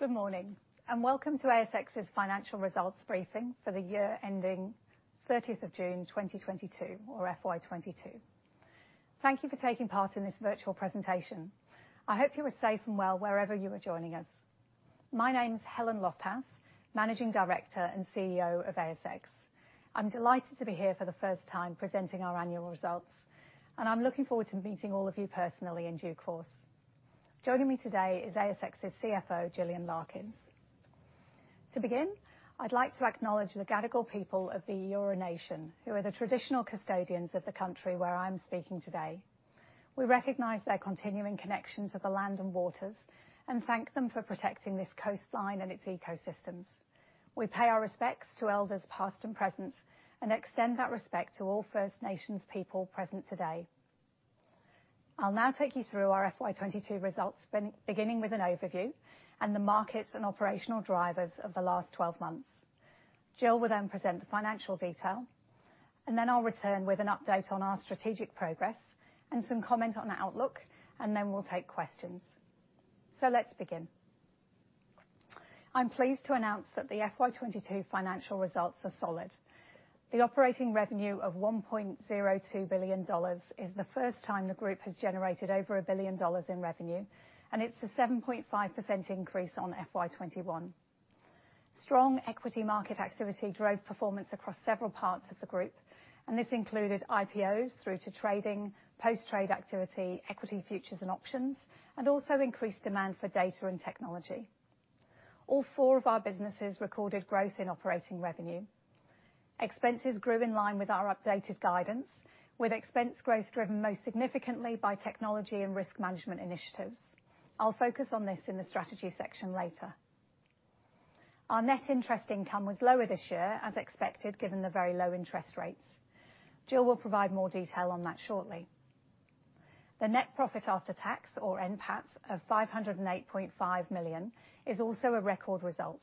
Good morning, and welcome to ASX's Financial Results briefing for the year ending 13th of June 2022, or FY 2022. Thank you for taking part in this virtual presentation. I hope you are safe and well wherever you are joining us. My name's Helen Lofthouse, Managing Director and CEO of ASX. I'm delighted to be here for the first time presenting our annual results, and I'm looking forward to meeting all of you personally in due course. Joining me today is ASX's CFO, Gillian Larkins. To begin, I'd like to acknowledge the Gadigal people of the Eora Nation, who are the traditional custodians of the country where I'm speaking today. We recognize their continuing connection to the land and waters, and thank them for protecting this coastline and its ecosystems. We pay our respects to elders past and present, and extend that respect to all First Nations people present today. I'll now take you through our FY 2022 results beginning with an overview, and the markets and operational drivers of the last twelve months. Gill will then present the financial detail, and then I'll return with an update on our strategic progress and some comment on our outlook, and then we'll take questions. Let's begin. I'm pleased to announce that the FY 2022 financial results are solid. The operating revenue of 1.02 billion dollars is the first time the group has generated over a billion dollars in revenue, and it's a 7.5% increase on FY 2021. Strong equity market activity drove performance across several parts of the group, and this included IPOs through to trading, post-trade activity, equity futures and options, and also increased demand for data and technology. All four of our businesses recorded growth in operating revenue. Expenses grew in line with our updated guidance, with expense growth driven most significantly by technology and risk management initiatives. I'll focus on this in the strategy section later. Our net interest income was lower this year, as expected, given the very low interest rates. Gill will provide more detail on that shortly. The net profit after tax, or NPAT, of 508.5 million is also a record result.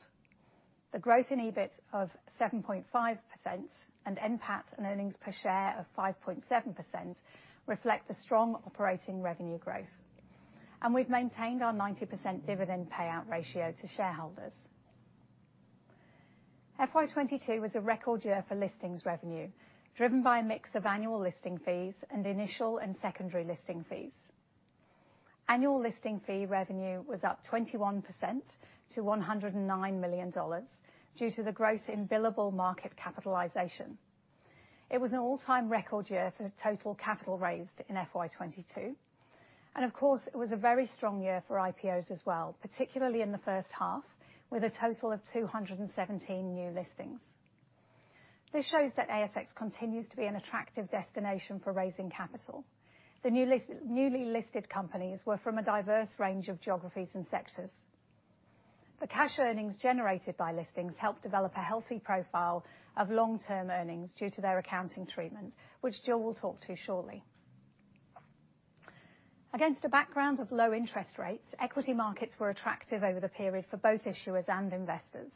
The growth in EBIT of 7.5% and NPAT and earnings per share of 5.7% reflect the strong operating revenue growth. We've maintained our 90% dividend payout ratio to shareholders. FY 2022 was a record year for listings revenue, driven by a mix of annual listing fees and initial and secondary listing fees. Annual listing fee revenue was up 21% to 109 million dollars due to the growth in billable market capitalization. It was an all-time record year for the total capital raised in FY 2022. Of course, it was a very strong year for IPOs as well, particularly in the H1, with a total of 217 new listings. This shows that ASX continues to be an attractive destination for raising capital. The newly listed companies were from a diverse range of geographies and sectors. The cash earnings generated by listings helped develop a healthy profile of long-term earnings due to their accounting treatment, which Gill will talk to shortly. Against a background of low interest rates, equity markets were attractive over the period for both issuers and investors.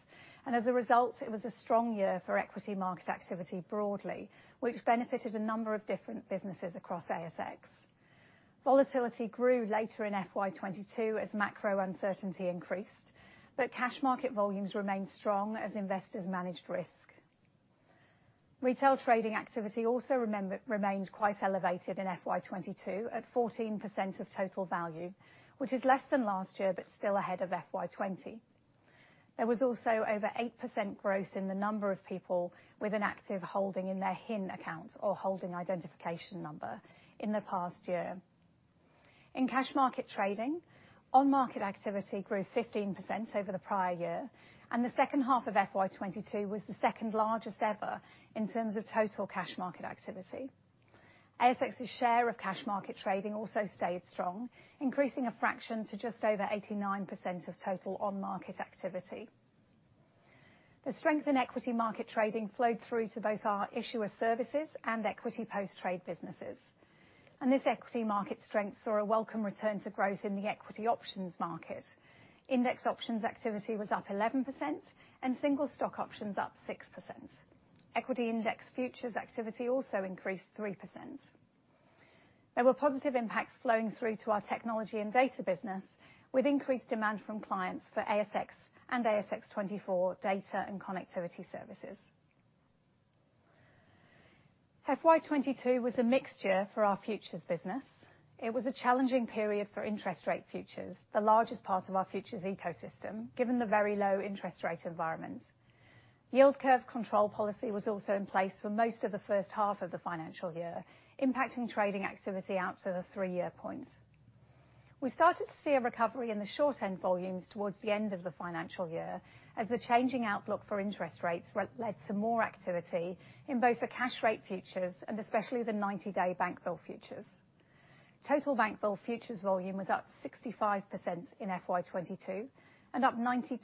As a result, it was a strong year for equity market activity broadly, which benefited a number of different businesses across ASX. Volatility grew later in FY 2022 as macro uncertainty increased. Cash market volumes remained strong as investors managed risk. Retail trading activity also remained quite elevated in FY 2022 at 14% of total value, which is less than last year, but still ahead of FY 2020. There was also over 8% growth in the number of people with an active holding in their HIN account, or Holder Identification Number, in the past year. In cash market trading, on-market activity grew 15% over the prior year, and the H2 of FY 2022 was the second largest ever in terms of total cash market activity. ASX's share of cash market trading also stayed strong, increasing a fraction to just over 89% of total on-market activity. The strength in equity market trading flowed through to both our issuer services and equity post-trade businesses. This equity market strength saw a welcome return to growth in the equity options market. Index options activity was up 11% and single stock options up 6%. Equity index futures activity also increased 3%. There were positive impacts flowing through to our technology and data business with increased demand from clients for ASX and ASX 24 data and connectivity services. FY 2022 was a mixed year for our futures business. It was a challenging period for interest rate futures, the largest part of our futures ecosystem, given the very low interest rate environment. Yield curve control policy was also in place for most of the H1 of the financial year, impacting trading activity out to the three-year point. We started to see a recovery in the short-end volumes towards the end of the financial year as the changing outlook for interest rates related to more activity in both the cash rate futures and especially the 90-day bank bill futures. Total bank bill futures volume was up 65% in FY 2022 and up 92%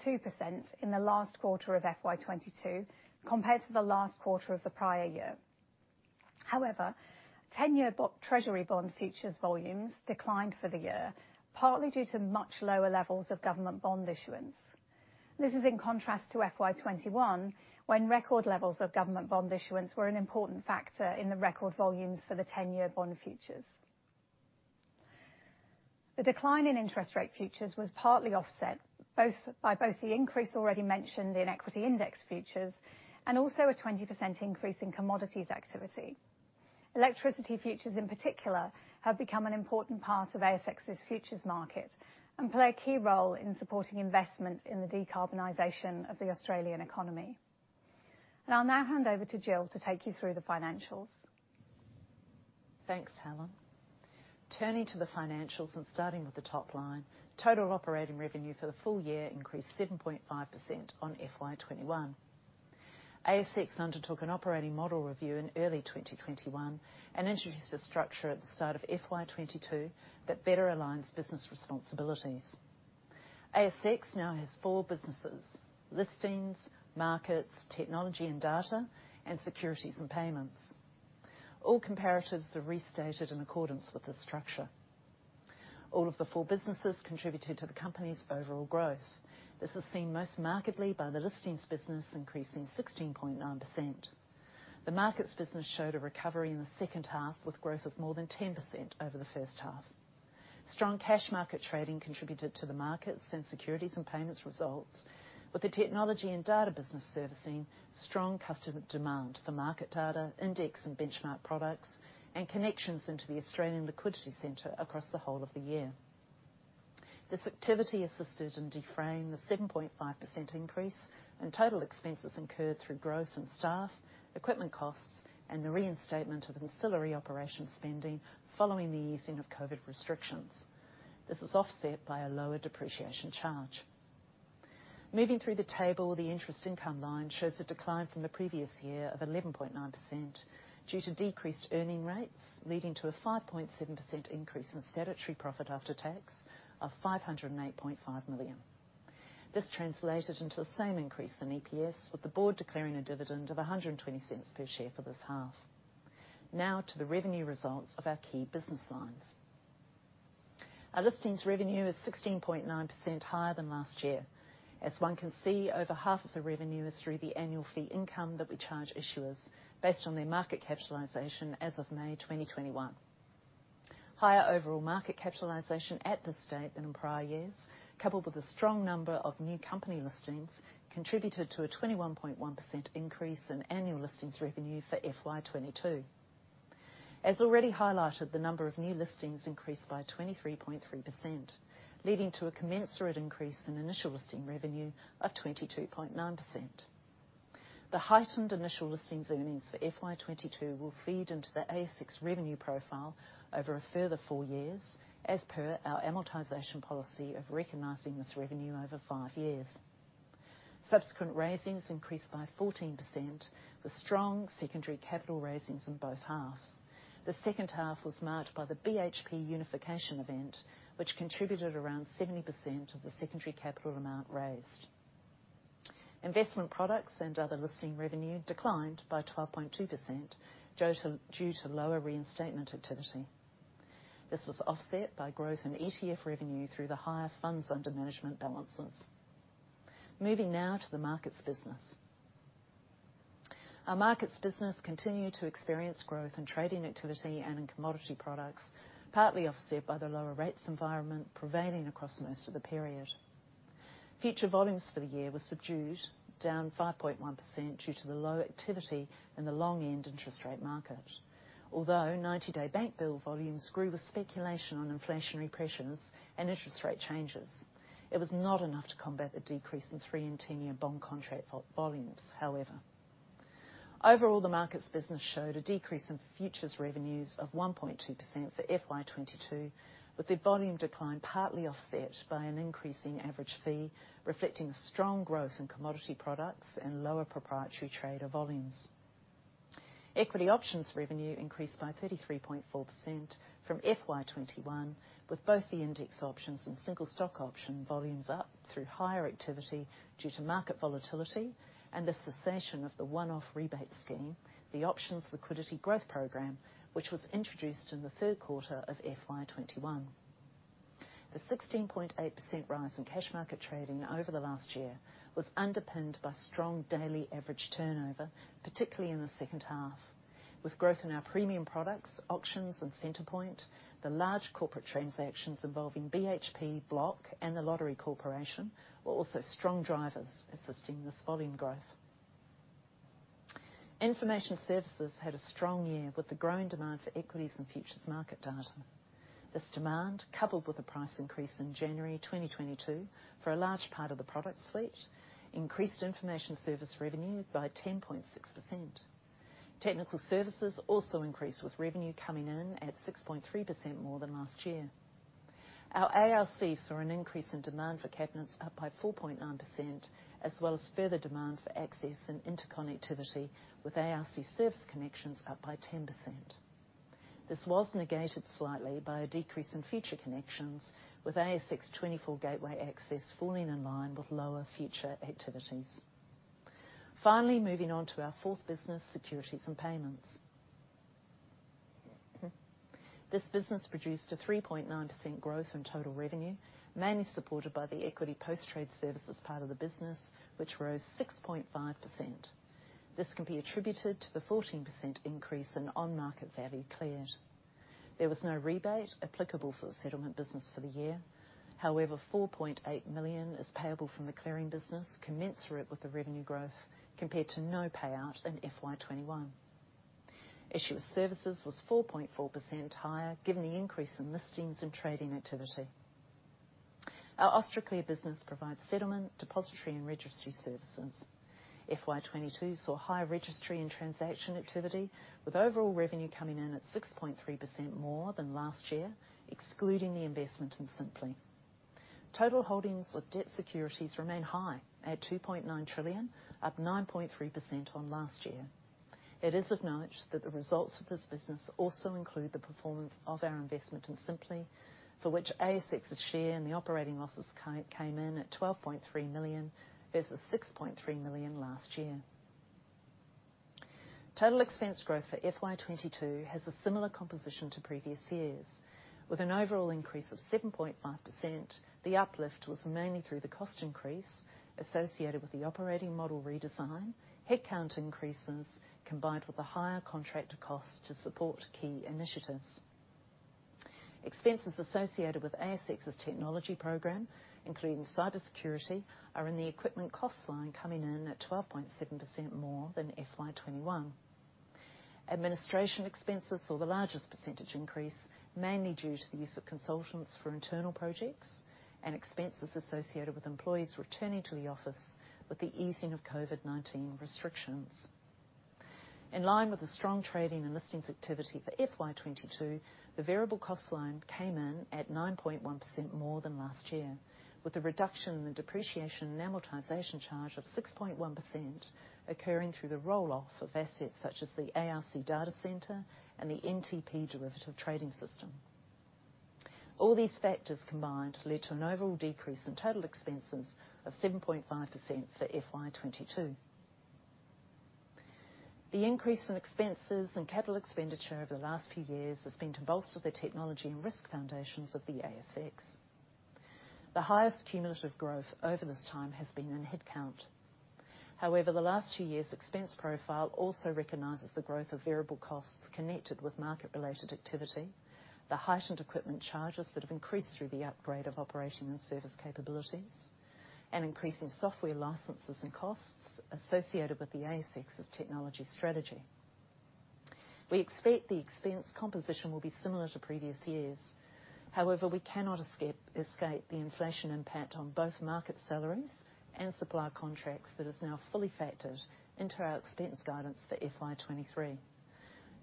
in the last quarter of FY 2022 compared to the last quarter of the prior year. However, 10-year treasury bond futures volumes declined for the year, partly due to much lower levels of government bond issuance. This is in contrast to FY 2021, when record levels of government bond issuance were an important factor in the record volumes for the 10-year bond futures. The decline in interest rate futures was partly offset by both the increase already mentioned in equity index futures and also a 20% increase in commodities activity. Electricity futures, in particular, have become an important part of ASX's futures market and play a key role in supporting investment in the decarbonization of the Australian economy. I'll now hand over to Gill to take you through the financials. Thanks, Helen. Turning to the financials and starting with the top line. Total operating revenue for the full year increased 7.5% on FY 2021. ASX undertook an operating model review in early 2021 and introduced a structure at the start of FY 2022 that better aligns business responsibilities. ASX now has four businesses: listings, markets, technology and data, and securities and payments. All comparatives are restated in accordance with the structure. All of the four businesses contributed to the company's overall growth. This was seen most markedly by the listings business, increasing 16.9%. The markets business showed a recovery in the H2, with growth of more than 10% over the H1. Strong cash market trading contributed to the markets and securities and payments results, with the technology and data business servicing strong customer demand for market data, index and benchmark products, and connections into the Australian Liquidity Center across the whole of the year. This activity assisted in deferring the 7.5% increase in total expenses incurred through growth in staff, equipment costs, and the reinstatement of ancillary operation spending following the easing of COVID restrictions. This was offset by a lower depreciation charge. Moving through the table, the interest income line shows a decline from the previous year of 11.9% due to decreased earning rates, leading to a 5.7% increase in statutory profit after tax of 508.5 million. This translated into the same increase in EPS, with the board declaring a dividend of 1.20 per share for this half. Now to the revenue results of our key business lines. Our listings revenue is 16.9% higher than last year. As one can see, over half of the revenue is through the annual fee income that we charge issuers based on their market capitalization as of May 2021. Higher overall market capitalization at this date than in prior years, coupled with a strong number of new company listings, contributed to a 21.1% increase in annual listings revenue for FY 2022. As already highlighted, the number of new listings increased by 23.3%, leading to a commensurate increase in initial listing revenue of 22.9%. The heightened initial listings earnings for FY 2022 will feed into the ASX revenue profile over a further four years, as per our amortization policy of recognizing this revenue over five years. Subsequent raisings increased by 14%, with strong secondary capital raisings in both halves. The H2 was marked by the BHP unification event, which contributed around 70% of the secondary capital amount raised. Investment products and other listing revenue declined by 12.2% due to lower reinstatement activity. This was offset by growth in ETF revenue through the higher funds under management balances. Moving now to the markets business. Our markets business continued to experience growth in trading activity and in commodity products, partly offset by the lower rates environment prevailing across most of the period. Future volumes for the year were subdued, down 5.1% due to the low activity in the long end interest rate market. Although 90-day bank bill volumes grew with speculation on inflationary pressures and interest rate changes, it was not enough to combat the decrease in three-year and 10-year bond contract volumes, however. Overall, the Markets business showed a decrease in futures revenues of 1.2% for FY 2022, with the volume decline partly offset by an increase in average fee, reflecting strong growth in commodity products and lower proprietary trader volumes. Equity options revenue increased by 33.4% from FY21, with both the index options and single stock option volumes up through higher activity due to market volatility and the cessation of the one-off rebate scheme, the Options Liquidity Growth Program, which was introduced in the Q3 of FY 2021. The 16.8% rise in cash market trading over the last year was underpinned by strong daily average turnover, particularly in the H2, with growth in our premium products, auctions and Centre Point. The large corporate transactions involving BHP, Block, and the Lottery Corporation were also strong drivers assisting this volume growth. Information services had a strong year with the growing demand for equities and futures markets data. This demand, coupled with a price increase in January 2022 for a large part of the product suite, increased Information Services revenue by 10.6%. Technical services also increased, with revenue coming in at 6.3% more than last year. Our ARC saw an increase in demand for cabinets up by 4.9%, as well as further demand for access and interconnectivity, with ARC service connections up by 10%. This was negated slightly by a decrease in future connections, with ASX 24 gateway access falling in line with lower future activities. Finally, moving on to our fourth business, securities and payments. This business produced a 3.9% growth in total revenue, mainly supported by the equity post-trade services part of the business, which rose 6.5%. This can be attributed to the 14% increase in on-market value cleared. There was no rebate applicable for the settlement business for the year. However, 4.8 million is payable from the clearing business commensurate with the revenue growth compared to no payout in FY 2021. Issuer services was 4.4% higher given the increase in listings and trading activity. Our Austraclear business provides settlement, depository, and registry services. FY 2022 saw higher registry and transaction activity, with overall revenue coming in at 6.3% more than last year, excluding the investment in Sympli. Total holdings of debt securities remain high at 2.9 trillion, up 9.3% on last year. It is acknowledged that the results of this business also include the performance of our investment in Sympli, for which ASX's share in the operating losses came in at 12.3 million versus 6.3 million last year. Total expense growth for FY 2022 has a similar composition to previous years. With an overall increase of 7.5%, the uplift was mainly through the cost increase associated with the operating model redesign, headcount increases, combined with the higher contractor costs to support key initiatives. Expenses associated with ASX's technology program, including cybersecurity, are in the equipment cost line, coming in at 12.7% more than FY 2021. Administration expenses saw the largest percentage increase, mainly due to the use of consultants for internal projects and expenses associated with employees returning to the office with the easing of COVID-19 restrictions. In line with the strong trading and listings activity for FY 2022, the variable cost line came in at 9.1% more than last year, with a reduction in the depreciation and amortization charge of 6.1% occurring through the roll-off of assets such as the ARC data center and the NTP derivative trading system. All these factors combined led to an overall decrease in total expenses of 7.5% for FY 2022. The increase in expenses and capital expenditure over the last few years has been to bolster the technology and risk foundations of the ASX. The highest cumulative growth over this time has been in headcount. However, the last two years' expense profile also recognizes the growth of variable costs connected with market-related activity, the heightened equipment charges that have increased through the upgrade of operation and service capabilities, and increasing software licenses and costs associated with the ASX's technology strategy. We expect the expense composition will be similar to previous years. However, we cannot escape the inflation impact on both market salaries and supplier contracts that is now fully factored into our expense guidance for FY 2023,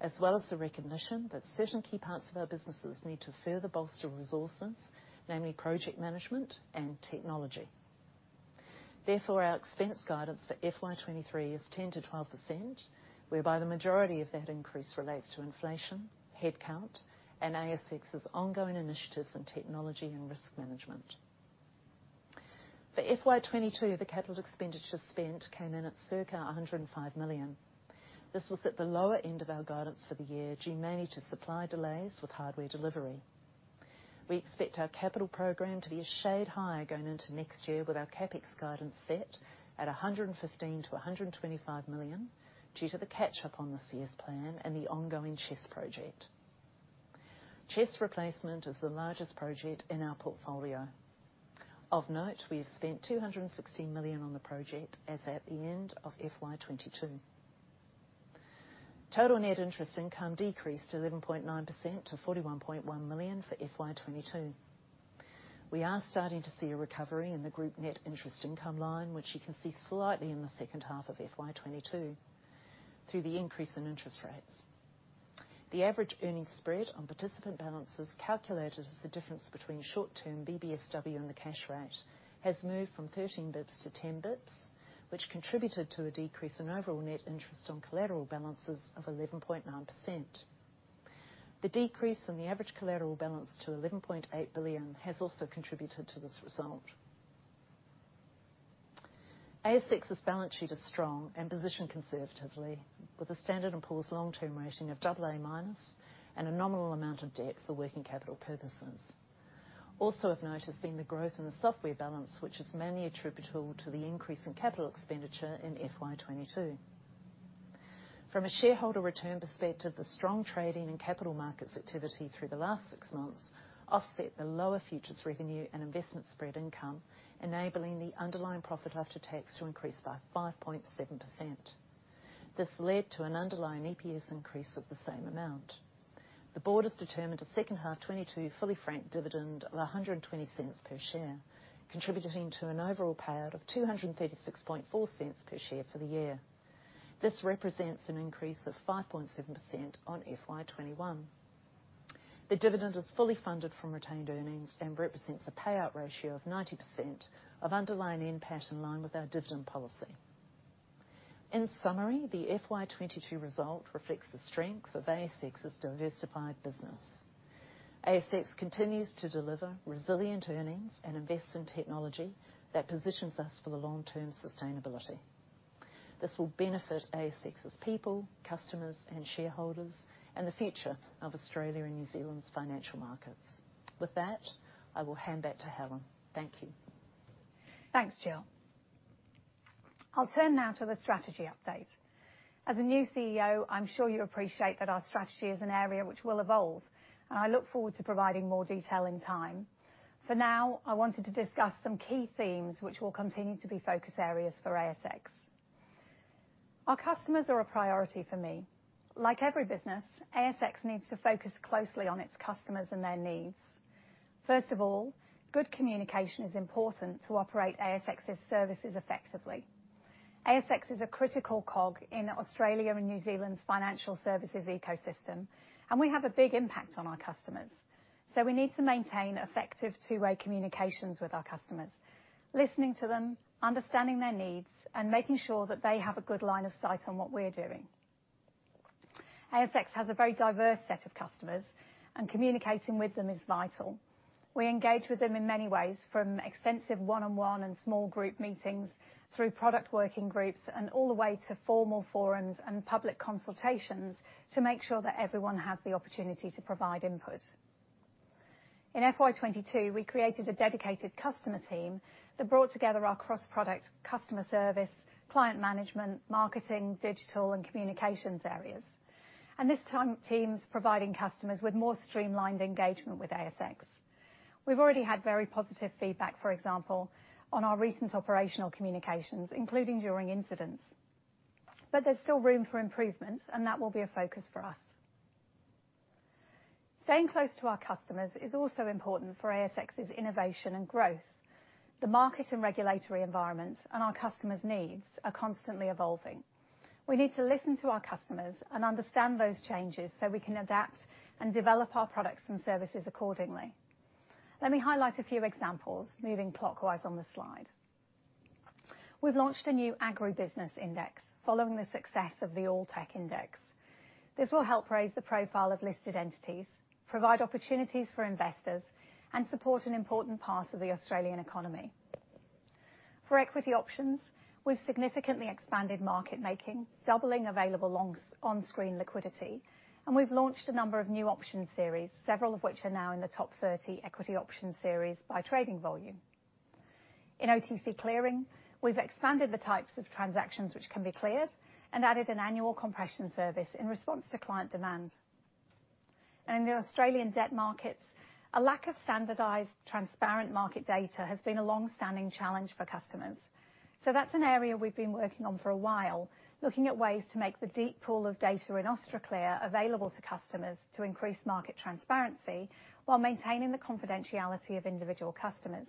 as well as the recognition that certain key parts of our businesses need to further bolster resources, namely project management and technology. Therefore, our expense guidance for FY 2023 is 10%-12%, whereby the majority of that increase relates to inflation, headcount, and ASX's ongoing initiatives in technology and risk management. For FY 2022, the capital expenditure spent came in at circa 105 million. This was at the lower end of our guidance for the year, due mainly to supply delays with hardware delivery. We expect our capital program to be a shade higher going into next year with our CapEx guidance set at 115 million-125 million due to the catch-up on this year's plan and the ongoing CHESS project. CHESS replacement is the largest project in our portfolio. Of note, we have spent 216 million on the project as at the end of FY 2022. Total net interest income decreased 11.9% to 41.1 million for FY 2022. We are starting to see a recovery in the group net interest income line, which you can see slightly in the H2 of FY 2022 through the increase in interest rates. The average earnings spread on participant balances, calculated as the difference between short-term BBSW and the cash rate, has moved from 13 bps-10 bps, which contributed to a decrease in overall net interest on collateral balances of 11.9%. The decrease in the average collateral balance to 11.8 billion has also contributed to this result. ASX's balance sheet is strong and positioned conservatively, with a Standard & Poor's long-term rating of AA- and a nominal amount of debt for working capital purposes. Also of note has been the growth in the software balance, which is mainly attributable to the increase in capital expenditure in FY 2022. From a shareholder return perspective, the strong trading and capital markets activity through the last six months offset the lower futures revenue and investment spread income, enabling the underlying profit after tax to increase by 5.7%. This led to an underlying EPS increase of the same amount. The board has determined a H2 2022 fully franked dividend of 1.20 per share, contributing to an overall payout of 2.364 per share for the year. This represents an increase of 5.7% on FY 2021. The dividend is fully funded from retained earnings and represents a payout ratio of 90% of underlying NPAT in line with our dividend policy. In summary, the FY 2022 result reflects the strength of ASX's diversified business. ASX continues to deliver resilient earnings and invest in technology that positions us for the long-term sustainability. This will benefit ASX's people, customers, and shareholders, and the future of Australia and New Zealand's financial markets. With that, I will hand back to Helen. Thank you. Thanks, Gill. I'll turn now to the strategy update. As a new CEO, I'm sure you appreciate that our strategy is an area which will evolve, and I look forward to providing more detail in time. For now, I wanted to discuss some key themes which will continue to be focus areas for ASX. Our customers are a priority for me. Like every business, ASX needs to focus closely on its customers and their needs. First of all, good communication is important to operate ASX's services effectively. ASX is a critical cog in Australia and New Zealand's financial services ecosystem, and we have a big impact on our customers, so we need to maintain effective two-way communications with our customers, listening to them, understanding their needs, and making sure that they have a good line of sight on what we're doing. ASX has a very diverse set of customers, and communicating with them is vital. We engage with them in many ways, from extensive one-on-one and small group meetings, through product working groups, and all the way to formal forums and public consultations to make sure that everyone has the opportunity to provide input. In FY 2022, we created a dedicated customer team that brought together our cross-product customer service, client management, marketing, digital, and communications areas. This time, team's providing customers with more streamlined engagement with ASX. We've already had very positive feedback, for example, on our recent operational communications, including during incidents. There's still room for improvements, and that will be a focus for us. Staying close to our customers is also important for ASX's innovation and growth. The market and regulatory environments and our customers' needs are constantly evolving. We need to listen to our customers and understand those changes so we can adapt and develop our products and services accordingly. Let me highlight a few examples, moving clockwise on the slide. We've launched a new agribusiness index following the success of the All Technology Index. This will help raise the profile of listed entities, provide opportunities for investors, and support an important part of the Australian economy. For equity options, we've significantly expanded market making, doubling available longs, on-screen liquidity, and we've launched a number of new option series, several of which are now in the top 30 equity option series by trading volume. In OTC clearing, we've expanded the types of transactions which can be cleared and added an annual compression service in response to client demand. In the Australian debt markets, a lack of standardized transparent market data has been a long-standing challenge for customers. That's an area we've been working on for a while, looking at ways to make the deep pool of data in Austraclear available to customers to increase market transparency while maintaining the confidentiality of individual customers.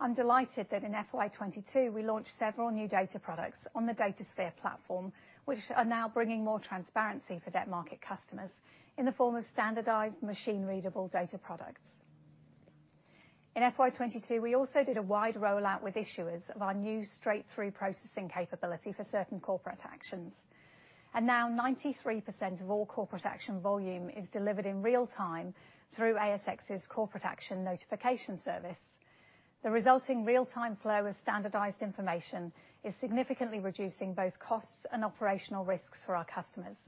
I'm delighted that in FY 2022, we launched several new data products on the DataSphere platform, which are now bringing more transparency for debt market customers in the form of standardized machine-readable data products. In FY 2022, we also did a wide rollout with issuers of our new straight-through processing capability for certain corporate actions. Now 93% of all corporate action volume is delivered in real-time through ASX's corporate action notification service. The resulting real-time flow of standardized information is significantly reducing both costs and operational risks for our customers.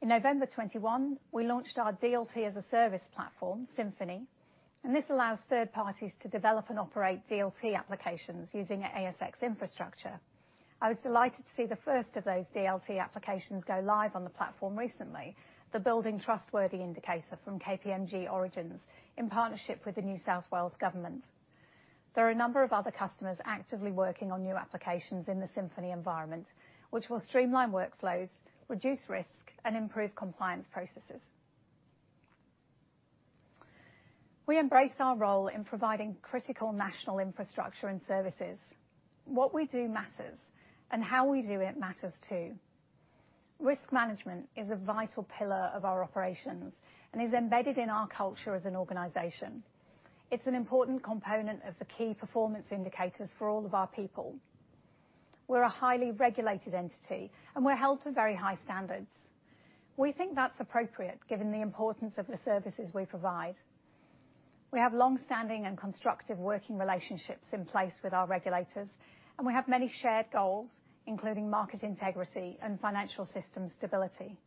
In November 2021, we launched our DLT as a service platform, Synfini, and this allows third parties to develop and operate DLT applications using ASX infrastructure. I was delighted to see the first of those DLT applications go live on the platform recently, the Building Trustworthy indicator from KPMG Origins, in partnership with the New South Wales government. There are a number of other customers actively working on new applications in the Synfini environment, which will streamline workflows, reduce risk, and improve compliance processes. We embrace our role in providing critical national infrastructure and services. What we do matters, and how we do it matters too. Risk management is a vital pillar of our operations and is embedded in our culture as an organization. It's an important component of the key performance indicators for all of our people. We're a highly regulated entity, and we're held to very high standards. We think that's appropriate given the importance of the services we provide. We have long-standing and constructive working relationships in place with our regulators, and we have many shared goals, including market integrity and financial system stability.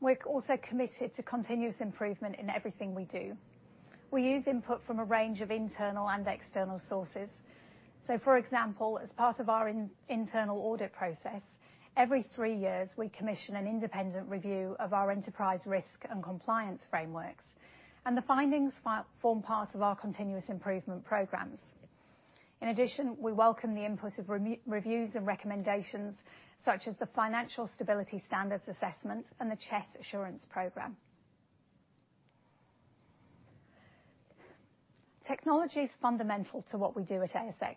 We're also committed to continuous improvement in everything we do. We use input from a range of internal and external sources. For example, as part of our internal audit process, every three years, we commission an independent review of our enterprise risk and compliance frameworks, and the findings form part of our continuous improvement programs. In addition, we welcome the input of reviews and recommendations such as the Financial Stability Standards Assessments and the CHESS Assurance Program. Technology is fundamental to what we do at ASX.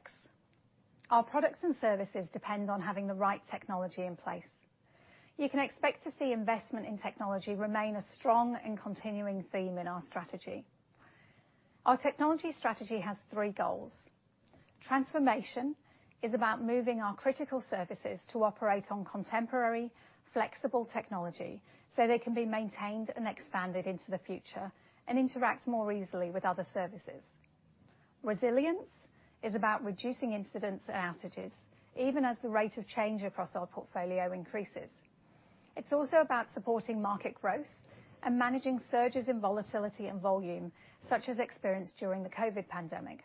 Our products and services depend on having the right technology in place. You can expect to see investment in technology remain a strong and continuing theme in our strategy. Our technology strategy has three goals. Transformation is about moving our critical services to operate on contemporary, flexible technology, so they can be maintained and expanded into the future and interact more easily with other services. Resilience is about reducing incidents and outages, even as the rate of change across our portfolio increases. It's also about supporting market growth and managing surges in volatility and volume, such as experienced during the COVID pandemic.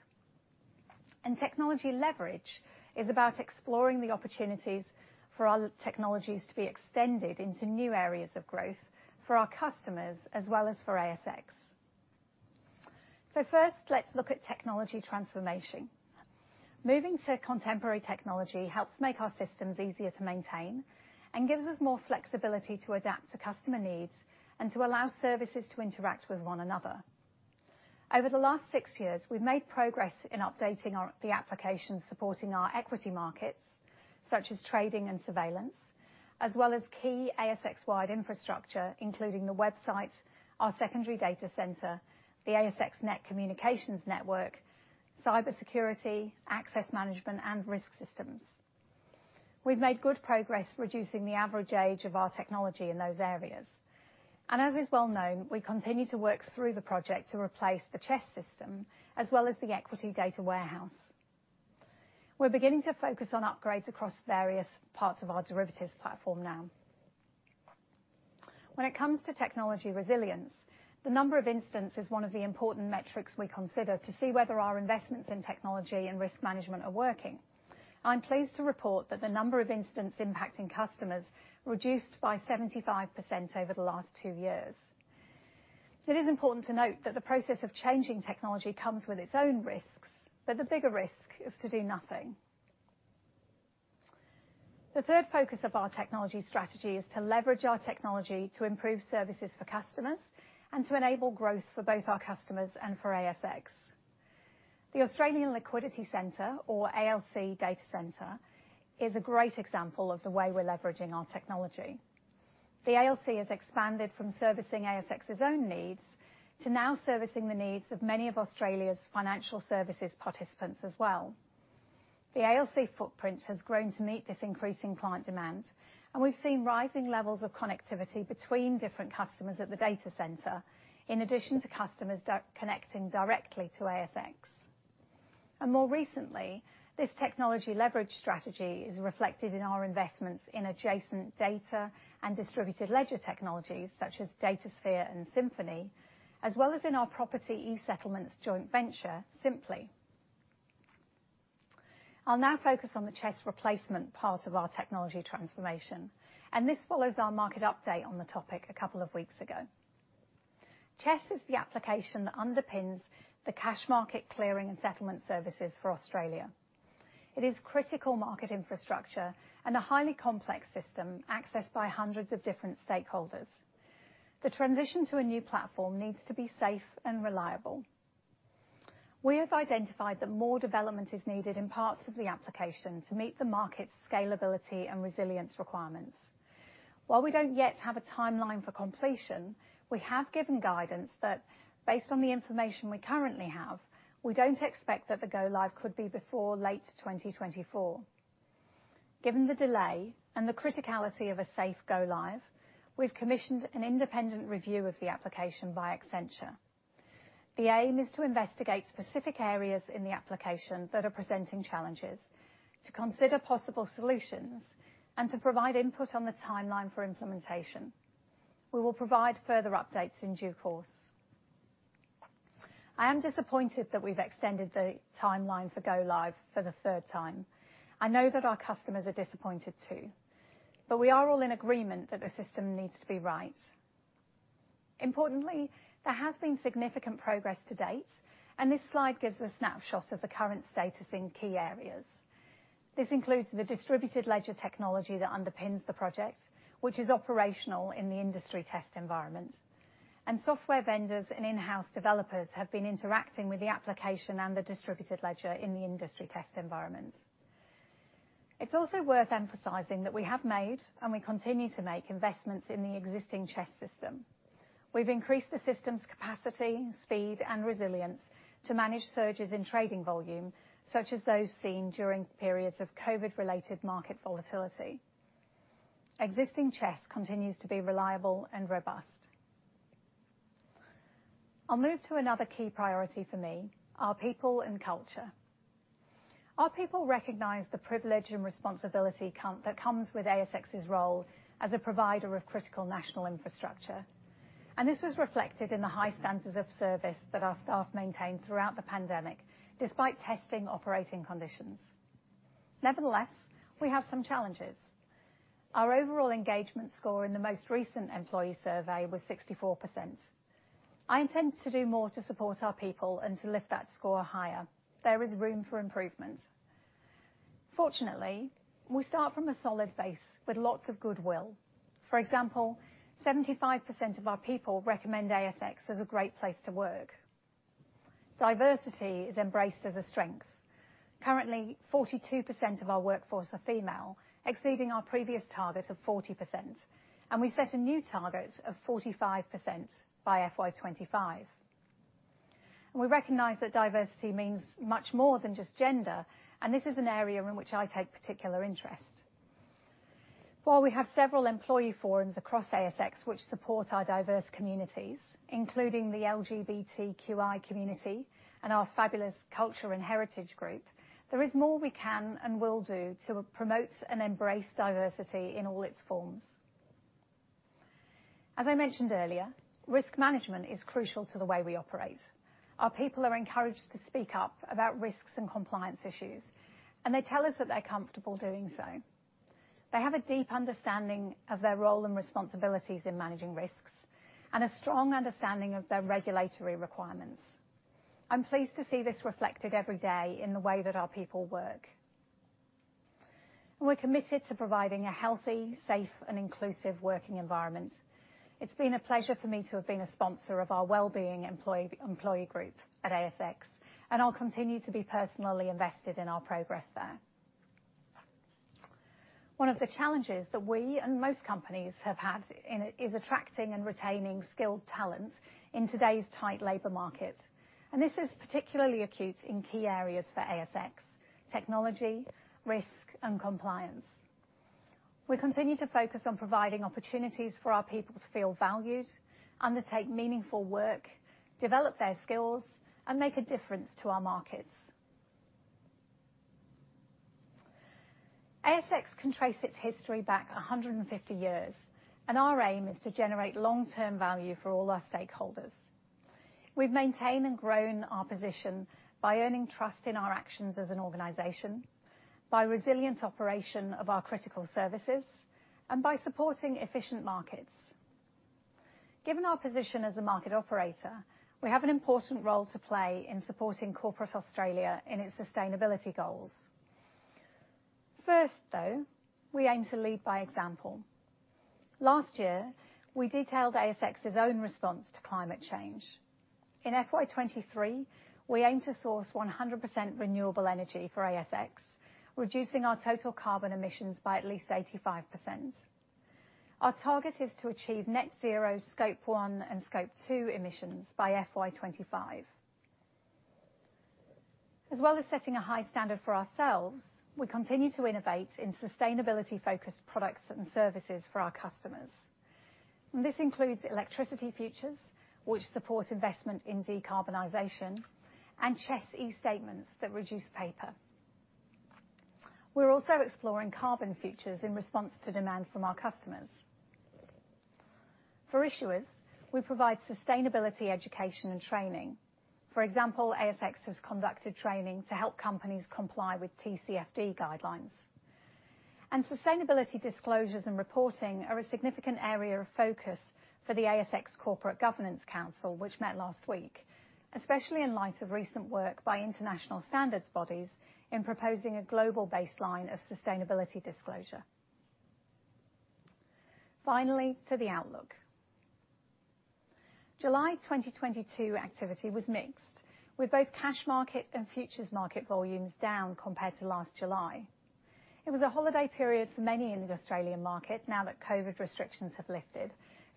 And technology leverage is about exploring the opportunities for our technologies to be extended into new areas of growth for our customers, as well as for ASX. First, let's look at technology transformation. Moving to contemporary technology helps make our systems easier to maintain and gives us more flexibility to adapt to customer needs and to allow services to interact with one another. Over the last six years, we've made progress in updating our applications supporting our equity markets, such as trading and surveillance, as well as key ASX-wide infrastructure, including the website, our secondary data center, the ASX Net Communications Network, cybersecurity, access management, and risk systems. We've made good progress reducing the average age of our technology in those areas. As is well-known, we continue to work through the project to replace the CHESS system, as well as the equity data warehouse. We're beginning to focus on upgrades across various parts of our derivatives platform now. When it comes to technology resilience, the number of incidents is one of the important metrics we consider to see whether our investments in technology and risk management are working. I'm pleased to report that the number of incidents impacting customers reduced by 75% over the last two years. It is important to note that the process of changing technology comes with its own risks, but the bigger risk is to do nothing. The third focus of our technology strategy is to leverage our technology to improve services for customers and to enable growth for both our customers and for ASX. The Australian Liquidity Center, or ALC data center, is a great example of the way we're leveraging our technology. The ALC has expanded from servicing ASX's own needs to now servicing the needs of many of Australia's financial services participants as well. The ALC footprint has grown to meet this increasing client demand, and we've seen rising levels of connectivity between different customers at the data center, in addition to customers connecting directly to ASX. More recently, this technology leverage strategy is reflected in our investments in adjacent data and distributed ledger technologies such as DataSphere and Synfini, as well as in our property e-Settlements joint venture, Sympli. I'll now focus on the CHESS replacement part of our technology transformation, and this follows our market update on the topic a couple of weeks ago. CHESS is the application that underpins the cash market clearing and settlement services for Australia. It is critical market infrastructure and a highly complex system accessed by hundreds of different stakeholders. The transition to a new platform needs to be safe and reliable. We have identified that more development is needed in parts of the application to meet the market's scalability and resilience requirements. While we don't yet have a timeline for completion, we have given guidance that based on the information we currently have, we don't expect that the go-live could be before late 2024. Given the delay and the criticality of a safe go-live, we've commissioned an independent review of the application by Accenture. The aim is to investigate specific areas in the application that are presenting challenges, to consider possible solutions, and to provide input on the timeline for implementation. We will provide further updates in due course. I am disappointed that we've extended the timeline for go-live for the third time. I know that our customers are disappointed too, but we are all in agreement that the system needs to be right. Importantly, there has been significant progress to date, and this slide gives a snapshot of the current status in key areas. This includes the distributed ledger technology that underpins the project, which is operational in the industry test environment. Software vendors and in-house developers have been interacting with the application and the distributed ledger in the industry test environment. It's also worth emphasizing that we have made, and we continue to make, investments in the existing CHESS system. We've increased the system's capacity, speed, and resilience to manage surges in trading volume, such as those seen during periods of COVID-related market volatility. Existing CHESS continues to be reliable and robust. I'll move to another key priority for me, our people and culture. Our people recognize the privilege and responsibility that comes with ASX's role as a provider of critical national infrastructure. This was reflected in the high standards of service that our staff maintained throughout the pandemic, despite testing operating conditions. Nevertheless, we have some challenges. Our overall engagement score in the most recent employee survey was 64%. I intend to do more to support our people and to lift that score higher. There is room for improvement. Fortunately, we start from a solid base with lots of goodwill. For example, 75% of our people recommend ASX as a great place to work. Diversity is embraced as a strength. Currently, 42% of our workforce are female, exceeding our previous target of 40%, and we set a new target of 45% by FY 2025. We recognize that diversity means much more than just gender, and this is an area in which I take particular interest. While we have several employee forums across ASX which support our diverse communities, including the LGBTQI community and our fabulous culture and heritage group, there is more we can and will do to promote and embrace diversity in all its forms. As I mentioned earlier, risk management is crucial to the way we operate. Our people are encouraged to speak up about risks and compliance issues, and they tell us that they're comfortable doing so. They have a deep understanding of their role and responsibilities in managing risks and a strong understanding of their regulatory requirements. I'm pleased to see this reflected every day in the way that our people work. We're committed to providing a healthy, safe, and inclusive working environment. It's been a pleasure for me to have been a sponsor of our well-being employee group at ASX, and I'll continue to be personally invested in our progress there. One of the challenges that we and most companies have had in it is attracting and retaining skilled talent in today's tight labor market. This is particularly acute in key areas for ASX: technology, risk, and compliance. We continue to focus on providing opportunities for our people to feel valued, undertake meaningful work, develop their skills, and make a difference to our markets. ASX can trace its history back 150 years, and our aim is to generate long-term value for all our stakeholders. We've maintained and grown our position by earning trust in our actions as an organization, by resilient operation of our critical services, and by supporting efficient markets. Given our position as a market operator, we have an important role to play in supporting corporate Australia in its sustainability goals. First, though, we aim to lead by example. Last year, we detailed ASX's own response to climate change. In FY 2023, we aim to source 100% renewable energy for ASX, reducing our total carbon emissions by at least 85%. Our target is to achieve net zero Scope 1 and Scope 2 emissions by FY 2025. As well as setting a high standard for ourselves, we continue to innovate in sustainability-focused products and services for our customers. This includes electricity futures, which support investment in decarbonization and CHESS e-Statements that reduce paper. We're also exploring carbon futures in response to demand from our customers. For issuers, we provide sustainability education and training. For example, ASX has conducted training to help companies comply with TCFD guidelines. Sustainability disclosures and reporting are a significant area of focus for the ASX Corporate Governance Council, which met last week, especially in light of recent work by international standards bodies in proposing a global baseline of sustainability disclosure. Finally, to the outlook. July 2022 activity was mixed, with both cash market and futures market volumes down compared to last July 2021. It was a holiday period for many in the Australian market now that COVID restrictions have lifted,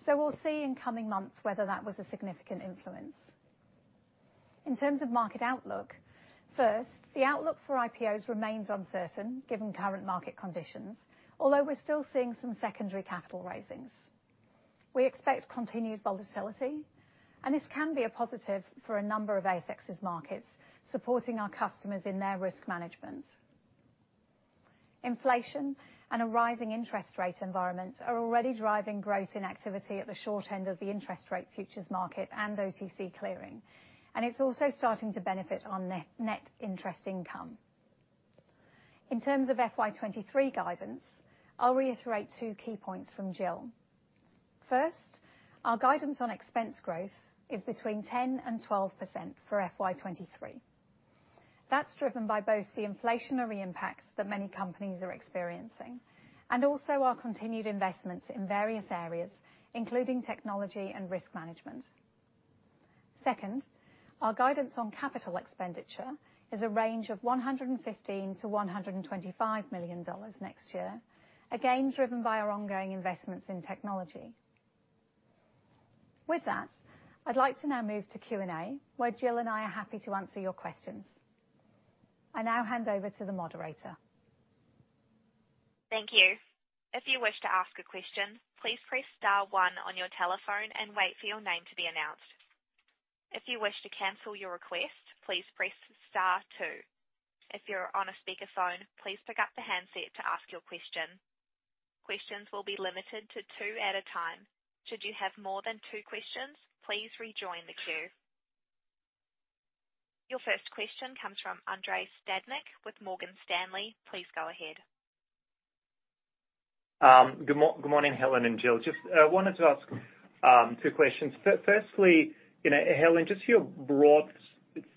so we'll see in coming months whether that was a significant influence. In terms of market outlook, first, the outlook for IPOs remains uncertain given current market conditions, although we're still seeing some secondary capital raisings. We expect continued volatility, and this can be a positive for a number of ASX's markets, supporting our customers in their risk management. Inflation and a rising interest rate environment are already driving growth in activity at the short end of the interest rate futures market and OTC clearing, and it's also starting to benefit our net interest income. In terms of FY 2023 guidance, I'll reiterate two key points from Gill. First, our guidance on expense growth is between 10% and 12% for FY 2023. That's driven by both the inflationary impacts that many companies are experiencing and also our continued investments in various areas, including technology and risk management. Second, our guidance on capital expenditure is a range of 115 million-125 million dollars next year, again, driven by our ongoing investments in technology. With that, I'd like to now move to Q&A, where Gill and I are happy to answer your questions. I now hand over to the moderator. Thank you. If you wish to ask a question, please press star one on your telephone and wait for your name to be announced. If you wish to cancel your request, please press star two. If you're on a speakerphone, please pick up the handset to ask your question. Questions will be limited to two at a time. Should you have more than two questions, please rejoin the queue. Your first question comes from Andrei Stadnik with Morgan Stanley. Please go ahead. Good morning, Helen and Gill. Just wanted to ask two questions. Firstly, you know, Helen, just your broad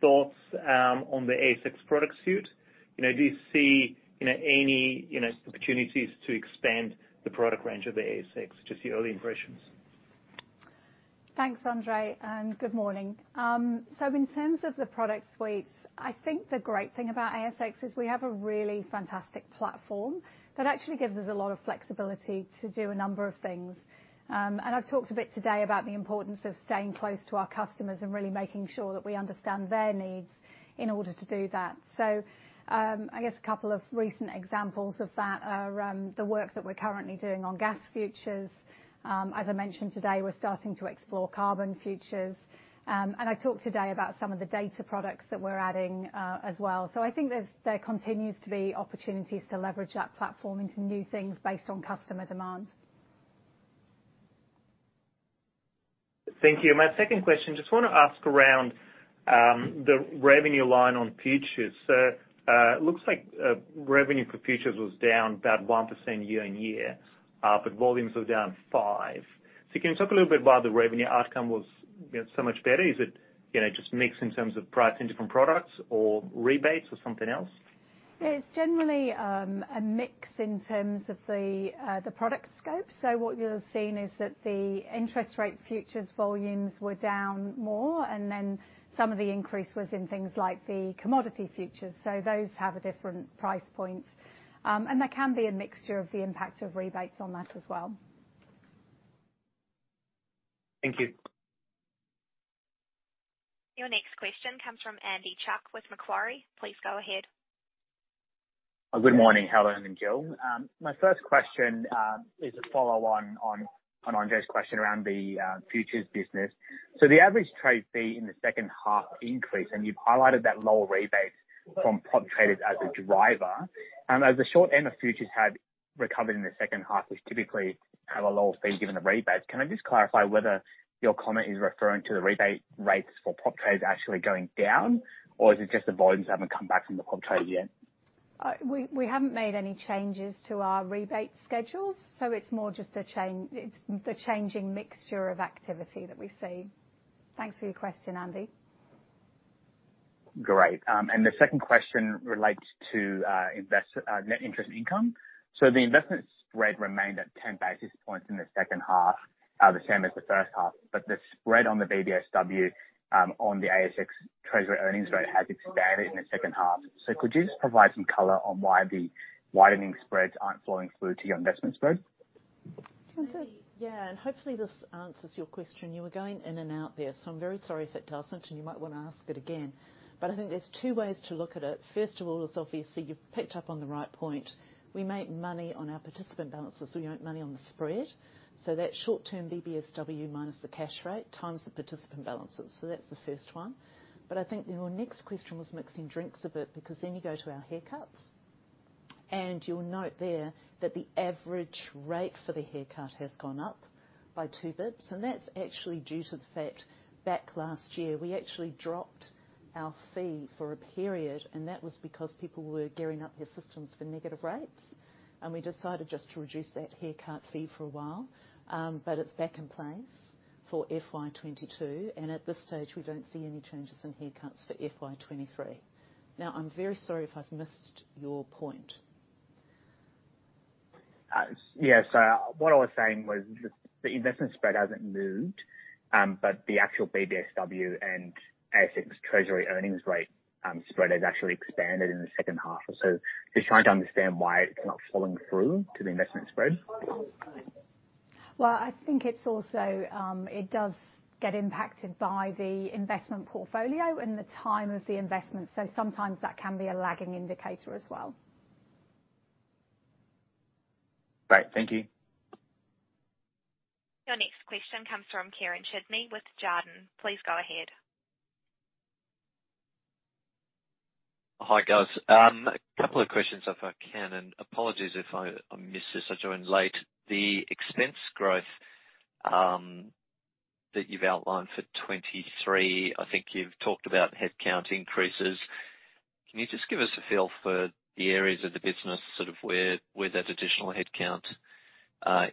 thoughts on the ASX product suite. You know, do you see, you know, any, you know, opportunities to expand the product range of the ASX? Just your early impressions. Thanks, Andrei, and good morning. In terms of the product suite, I think the great thing about ASX is we have a really fantastic platform that actually gives us a lot of flexibility to do a number of things. I've talked a bit today about the importance of staying close to our customers and really making sure that we understand their needs in order to do that. I guess a couple of recent examples of that are the work that we're currently doing on gas futures. As I mentioned today, we're starting to explore carbon futures. I talked today about some of the data products that we're adding, as well. I think there continues to be opportunities to leverage that platform into new things based on customer demand. Thank you. My second question, just wanna ask around the revenue line on futures. It looks like revenue for futures was down about 1% year-on-year, but volumes were down 5%. Can you talk a little bit why the revenue outcome was, you know, so much better? Is it, you know, just mix in terms of pricing different products or rebates or something else? It's generally a mix in terms of the product scope. What you're seeing is that the interest rate futures volumes were down more, and then some of the increase was in things like the commodity futures. Those have a different price point. There can be a mixture of the impact of rebates on that as well. Thank you. Your next question comes from Andy Chuk with Macquarie. Please go ahead. Good morning, Helen and Gill. My first question is a follow on Andrei's question around the futures business. The average trade fee in the H2 increased, and you've highlighted that lower rebates from prop traders as a driver. As the short end of futures have recovered in the H2, which typically have a lower fee given the rebates, can I just clarify whether your comment is referring to the rebate rates for prop traders actually going down, or is it just the volumes haven't come back from the prop traders yet? We haven't made any changes to our rebate schedules, so it's more just a change, it's the changing mixture of activity that we see. Thanks for your question, Andy. Great. The second question relates to net interest income. The investment spread remained at 10 basis points in the H2, the same as the H1, but the spread on the BBSW, on the ASX treasury earnings rate has expanded in the H2. Could you just provide some color on why the widening spreads aren't flowing through to your investment spread? Do you want to? Yeah. Hopefully this answers your question. You were going in and out there, so I'm very sorry if it doesn't, and you might want to ask it again, but I think there's two ways to look at it. First of all is obviously you've picked up on the right point. We make money on our participant balances, so we make money on the spread. That short-term BBSW minus the cash rate times the participant balances. That's the first one. I think your next question was mixing drinks a bit because then you go to our haircuts, and you'll note there that the average rate for the haircut has gone up by two basis points. That's actually due to the fact back last year, we actually dropped our fee for a period, and that was because people were gearing up their systems for negative rates, and we decided just to reduce that haircut fee for a while. But it's back in place for FY 2022, and at this stage, we don't see any changes in haircuts for FY 2023. Now, I'm very sorry if I've missed your point. Yes. What I was saying was the investment spread hasn't moved, but the actual BBSW and ASX treasury earnings rate spread has actually expanded in the H2. Just trying to understand why it's not flowing through to the investment spread? Well, I think it's also, it does get impacted by the investment portfolio and the time of the investment, so sometimes that can be a lagging indicator as well. Great. Thank you. Your next question comes from Kieren Chidgey with Jarden. Please go ahead. Hi, guys. A couple of questions if I can, and apologies if I missed this. I joined late. The expense growth that you've outlined for 2023, I think you've talked about headcount increases. Can you just give us a feel for the areas of the business, sort of where that additional headcount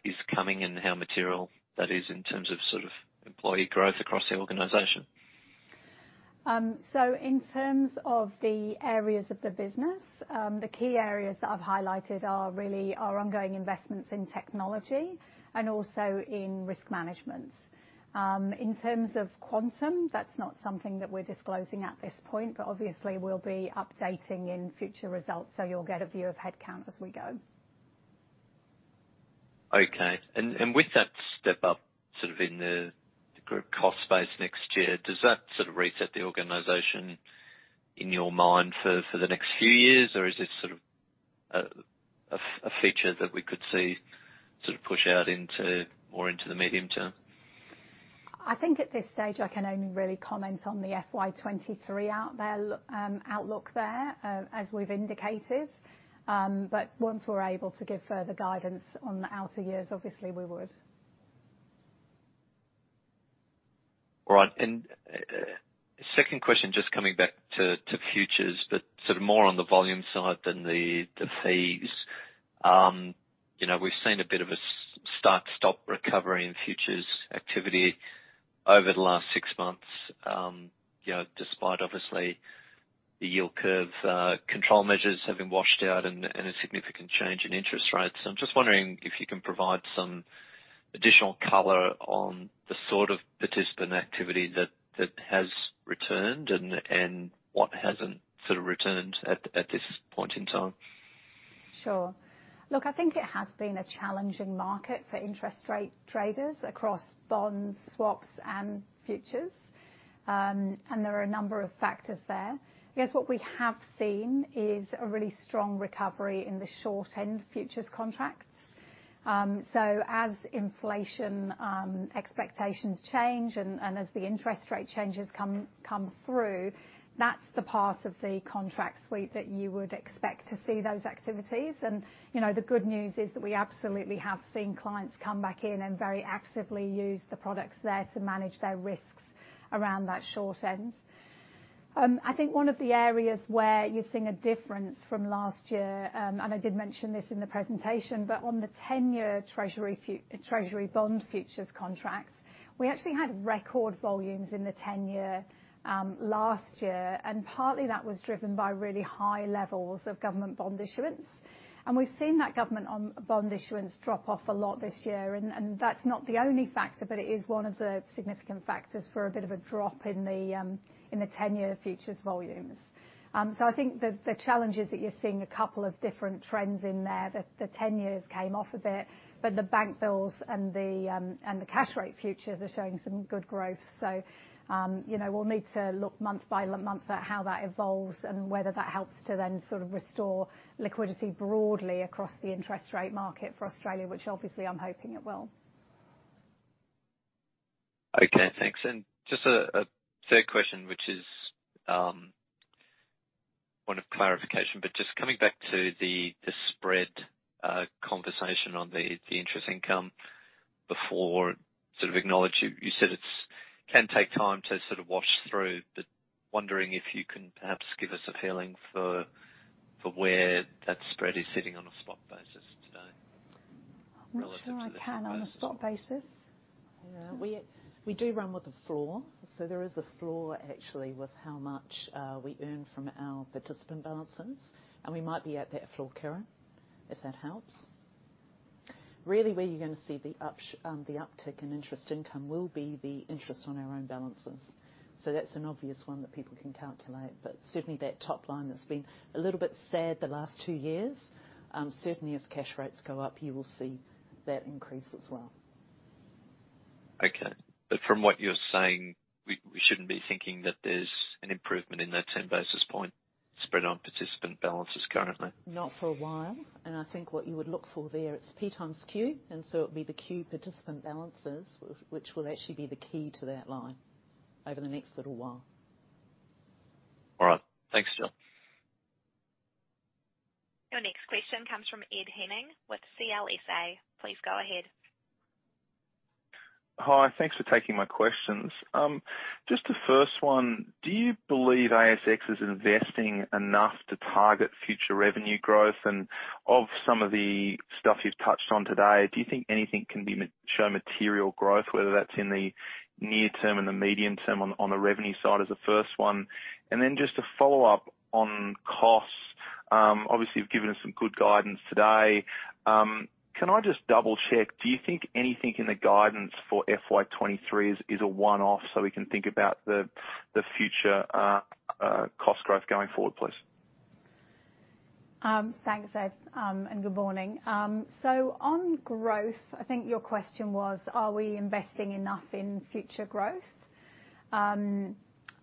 is coming and how material that is in terms of sort of employee growth across the organization? In terms of the areas of the business, the key areas that I've highlighted are really our ongoing investments in technology and also in risk management. In terms of quantum, that's not something that we're disclosing at this point, but obviously we'll be updating in future results, so you'll get a view of headcount as we go. Okay. With that step up, sort of in the group cost base next year, does that sort of reset the organization in your mind for the next few years? Or is this sort of a feature that we could see sort of push out into, more into the medium term? I think at this stage I can only really comment on the FY 2023 outlook, as we've indicated. Once we're able to give further guidance on the outer years, obviously we would. All right. Second question, just coming back to futures, but sort of more on the volume side than the fees. You know, we've seen a bit of a start/stop recovery in futures activity over the last six months, you know, despite obviously the yield curve control measures have been washed out and a significant change in interest rates. I'm just wondering if you can provide some additional color on the sort of participant activity that has returned and what hasn't sort of returned at this point in time? Sure. Look, I think it has been a challenging market for interest rate traders across bonds, swaps, and futures. There are a number of factors there. I guess what we have seen is a really strong recovery in the short end futures contracts. As inflation expectations change and as the interest rate changes come through, that's the part of the contract suite that you would expect to see those activities. You know, the good news is that we absolutely have seen clients come back in and very actively use the products there to manage their risks around that short end. I think one of the areas where you're seeing a difference from last year, and I did mention this in the presentation, but on the 10-year treasury bond futures contracts, we actually had record volumes in the 10-year last year. Partly that was driven by really high levels of government bond issuance. We've seen that government bond issuance drop off a lot this year. That's not the only factor, but it is one of the significant factors for a bit of a drop in the 10-year futures volumes. I think the challenge is that you're seeing a couple of different trends in there. The 10 years came off a bit, but the bank bills and the cash rate futures are showing some good growth. You know, we'll need to look month by month at how that evolves and whether that helps to then sort of restore liquidity broadly across the interest rate market for Australia, which obviously I'm hoping it will. Okay, thanks. Just a third question, which is one of clarification. Just coming back to the spread conversation on the interest income before sort of acknowledge you said it can take time to sort of wash through. Wondering if you can perhaps give us a feeling for where that spread is sitting on a spot basis today relevant to? I'm not sure I can on a spot basis. Yeah. We do run with the floor. There is a floor actually with how much we earn from our participant balances, and we might be at that floor, Kieren, if that helps. Really, where you're gonna see the uptick in interest income will be the interest on our own balances. That's an obvious one that people can calculate. Certainly that top line that's been a little bit sad the last two years, certainly as cash rates go up, you will see that increase as well. Okay. From what you're saying, we shouldn't be thinking that there's an improvement in that 10 basis point spread on participant balances currently? Not for a while. I think what you would look for there, it's P times Q, and so it'll be the Q participant balances which will actually be the key to that line over the next little while. All right. Thanks, Gill. Your next question comes from Ed Henning with CLSA. Please go ahead. Hi. Thanks for taking my questions. Just the first one, do you believe ASX is investing enough to target future revenue growth? And of some of the stuff you've touched on today, do you think anything can show material growth, whether that's in the near term and the medium term on the revenue side as a first one? And then just to follow up on costs, obviously you've given us some good guidance today. Can I just double-check, do you think anything in the guidance for FY 2023 is a one-off, so we can think about the future cost growth going forward, please? Thanks, Ed, and good morning. On growth, I think your question was, are we investing enough in future growth?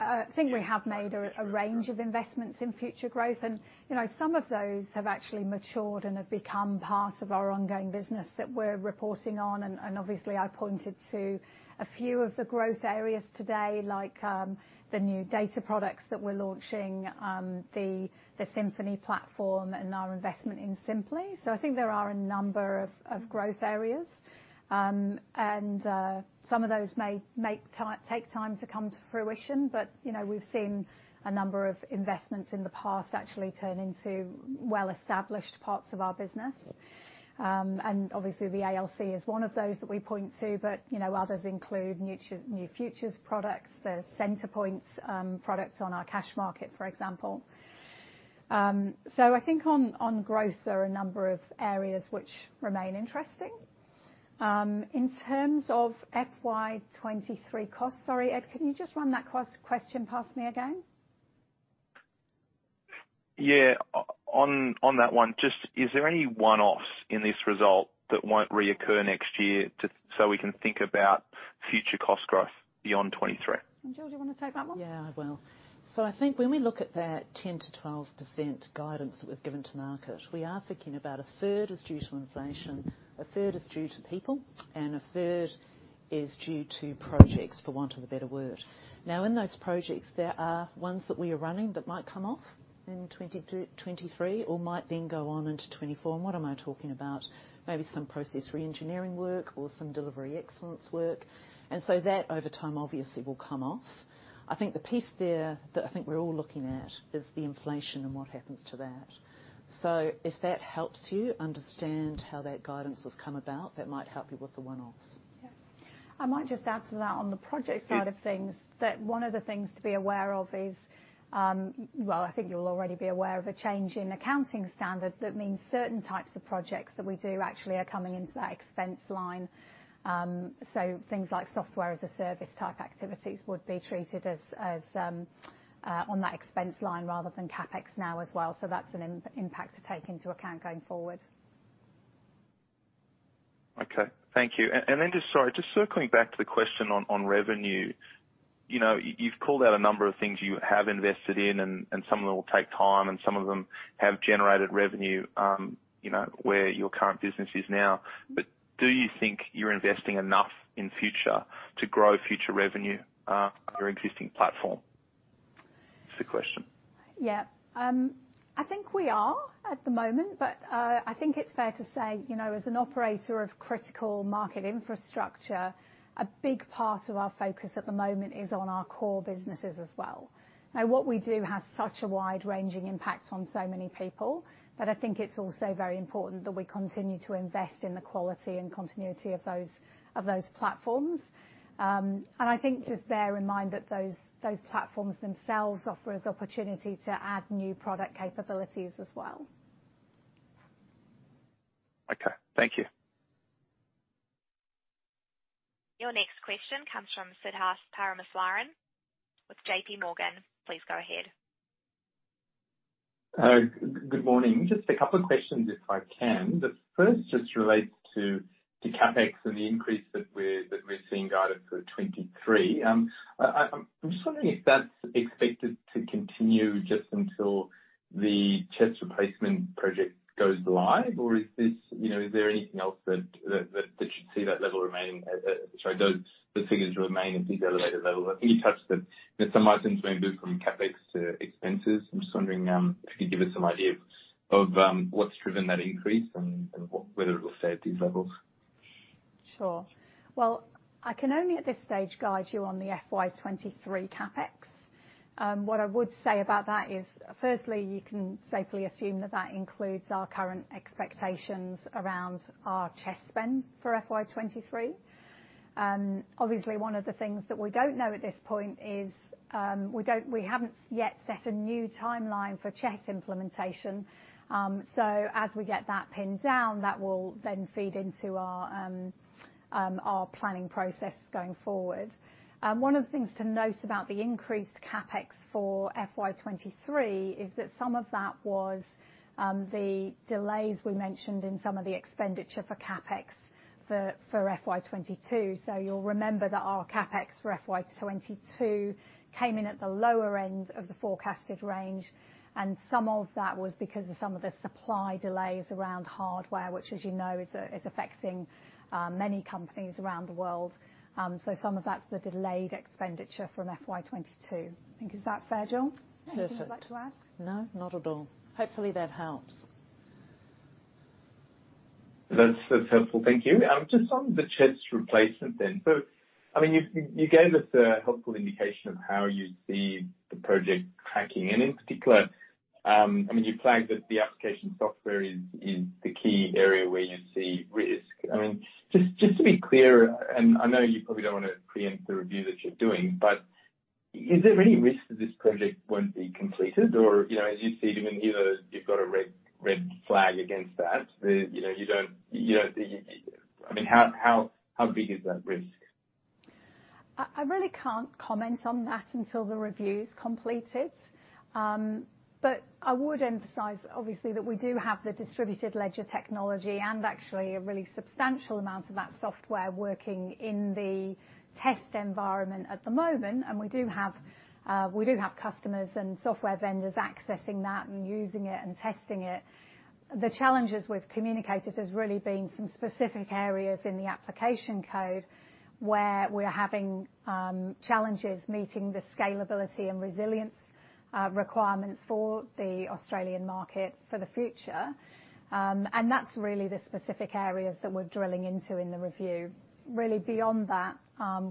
I think we have made a range of investments in future growth. You know, some of those have actually matured and have become part of our ongoing business that we're reporting on. Obviously, I pointed to a few of the growth areas today, like, the new data products that we're launching, the Synfini platform and our investment in Sympli. I think there are a number of growth areas. Some of those may take time to come to fruition. You know, we've seen a number of investments in the past actually turn into well-established parts of our business. Obviously the ALC is one of those that we point to. You know, others include new futures products, the Centre Point products on our cash market, for example. I think on growth, there are a number of areas which remain interesting. In terms of FY 2023 costs, sorry Ed, can you just run that cost question past me again? Yeah. On that one, just is there any one-offs in this result that won't reoccur next year so we can think about future cost growth beyond 2023? Gill, do you wanna take that one? Yeah, I will. I think when we look at that 10%-12% guidance that we've given to market, we are thinking about a third is due to inflation, a third is due to people, and a third is due to projects, for want of a better word. In those projects, there are ones that we are running that might come off in 2023 or might then go on into 2024. What am I talking about? Maybe some process reengineering work or some delivery excellence work. That over time obviously will come off. I think the piece there that I think we're all looking at is the inflation and what happens to that. If that helps you understand how that guidance has come about, that might help you with the one-offs. Yeah. I might just add to that on the project side of things, that one of the things to be aware of is, well, I think you'll already be aware of a change in accounting standards that means certain types of projects that we do actually are coming into that expense line. Things like software as a service type activities would be treated as on that expense line rather than CapEx now as well. That's an impact to take into account going forward. Okay. Thank you. Then just sorry, just circling back to the question on revenue, you know, you've called out a number of things you have invested in and some of them will take time and some of them have generated revenue, you know, where your current business is now. Do you think you're investing enough in future to grow future revenue on your existing platform? That's the question. Yeah. I think we are at the moment, but I think it's fair to say, you know, as an operator of critical market infrastructure, a big part of our focus at the moment is on our core businesses as well. Now, what we do has such a wide-ranging impact on so many people that I think it's also very important that we continue to invest in the quality and continuity of those platforms. I think just bear in mind that those platforms themselves offer us opportunity to add new product capabilities as well. Okay. Thank you. Your next question comes from Siddharth Parameswaran with JPMorgan. Please go ahead. Good morning. Just a couple of questions, if I can. The first just relates to CapEx and the increase that we're seeing guided for 2023. I'm just wondering if that's expected to continue just until the CHESS replacement project goes live. You know, is there anything else that should see that level remaining at these elevated levels? Sorry, those figures remain at these elevated levels. I think you touched that some items may move from CapEx to expenses. I'm just wondering if you could give us some idea of what's driven that increase and whether it will stay at these levels. Sure. Well, I can only at this stage guide you on the FY 2023 CapEx. What I would say about that is, firstly, you can safely assume that that includes our current expectations around our CHESS spend for FY 2023. Obviously one of the things that we don't know at this point is, we haven't yet set a new timeline for CHESS implementation. As we get that pinned down, that will then feed into our planning process going forward. One of the things to note about the increased CapEx for FY 2023 is that some of that was, the delays we mentioned in some of the expenditure for CapEx for FY 2022.You'll remember that our CapEx for FY 2022 came in at the lower end of the forecasted range, and some of that was because of some of the supply delays around hardware, which as you know is affecting many companies around the world. Some of that's the delayed expenditure from FY 2022. I think, is that fair, Gill? Perfect. Anything you'd like to add? No, not at all. Hopefully, that helps. That's helpful. Thank you. Just on the CHESS replacement then. I mean, you gave us a helpful indication of how you see the project tracking. In particular, I mean, you flagged that the application software is the key area where you see risk. I mean, just to be clear, and I know you probably don't wanna preempt the review that you're doing, but is there any risk that this project won't be completed? You know, as you see it, I mean, either you've got a red flag against that. You know, I mean, how big is that risk? I really can't comment on that until the review's completed. I would emphasize obviously that we do have the distributed ledger technology and actually a really substantial amount of that software working in the test environment at the moment. We do have customers and software vendors accessing that and using it and testing it. The challenges we've communicated has really been some specific areas in the application code where we're having challenges meeting the scalability and resilience requirements for the Australian market for the future. That's really the specific areas that we're drilling into in the review. Really beyond that,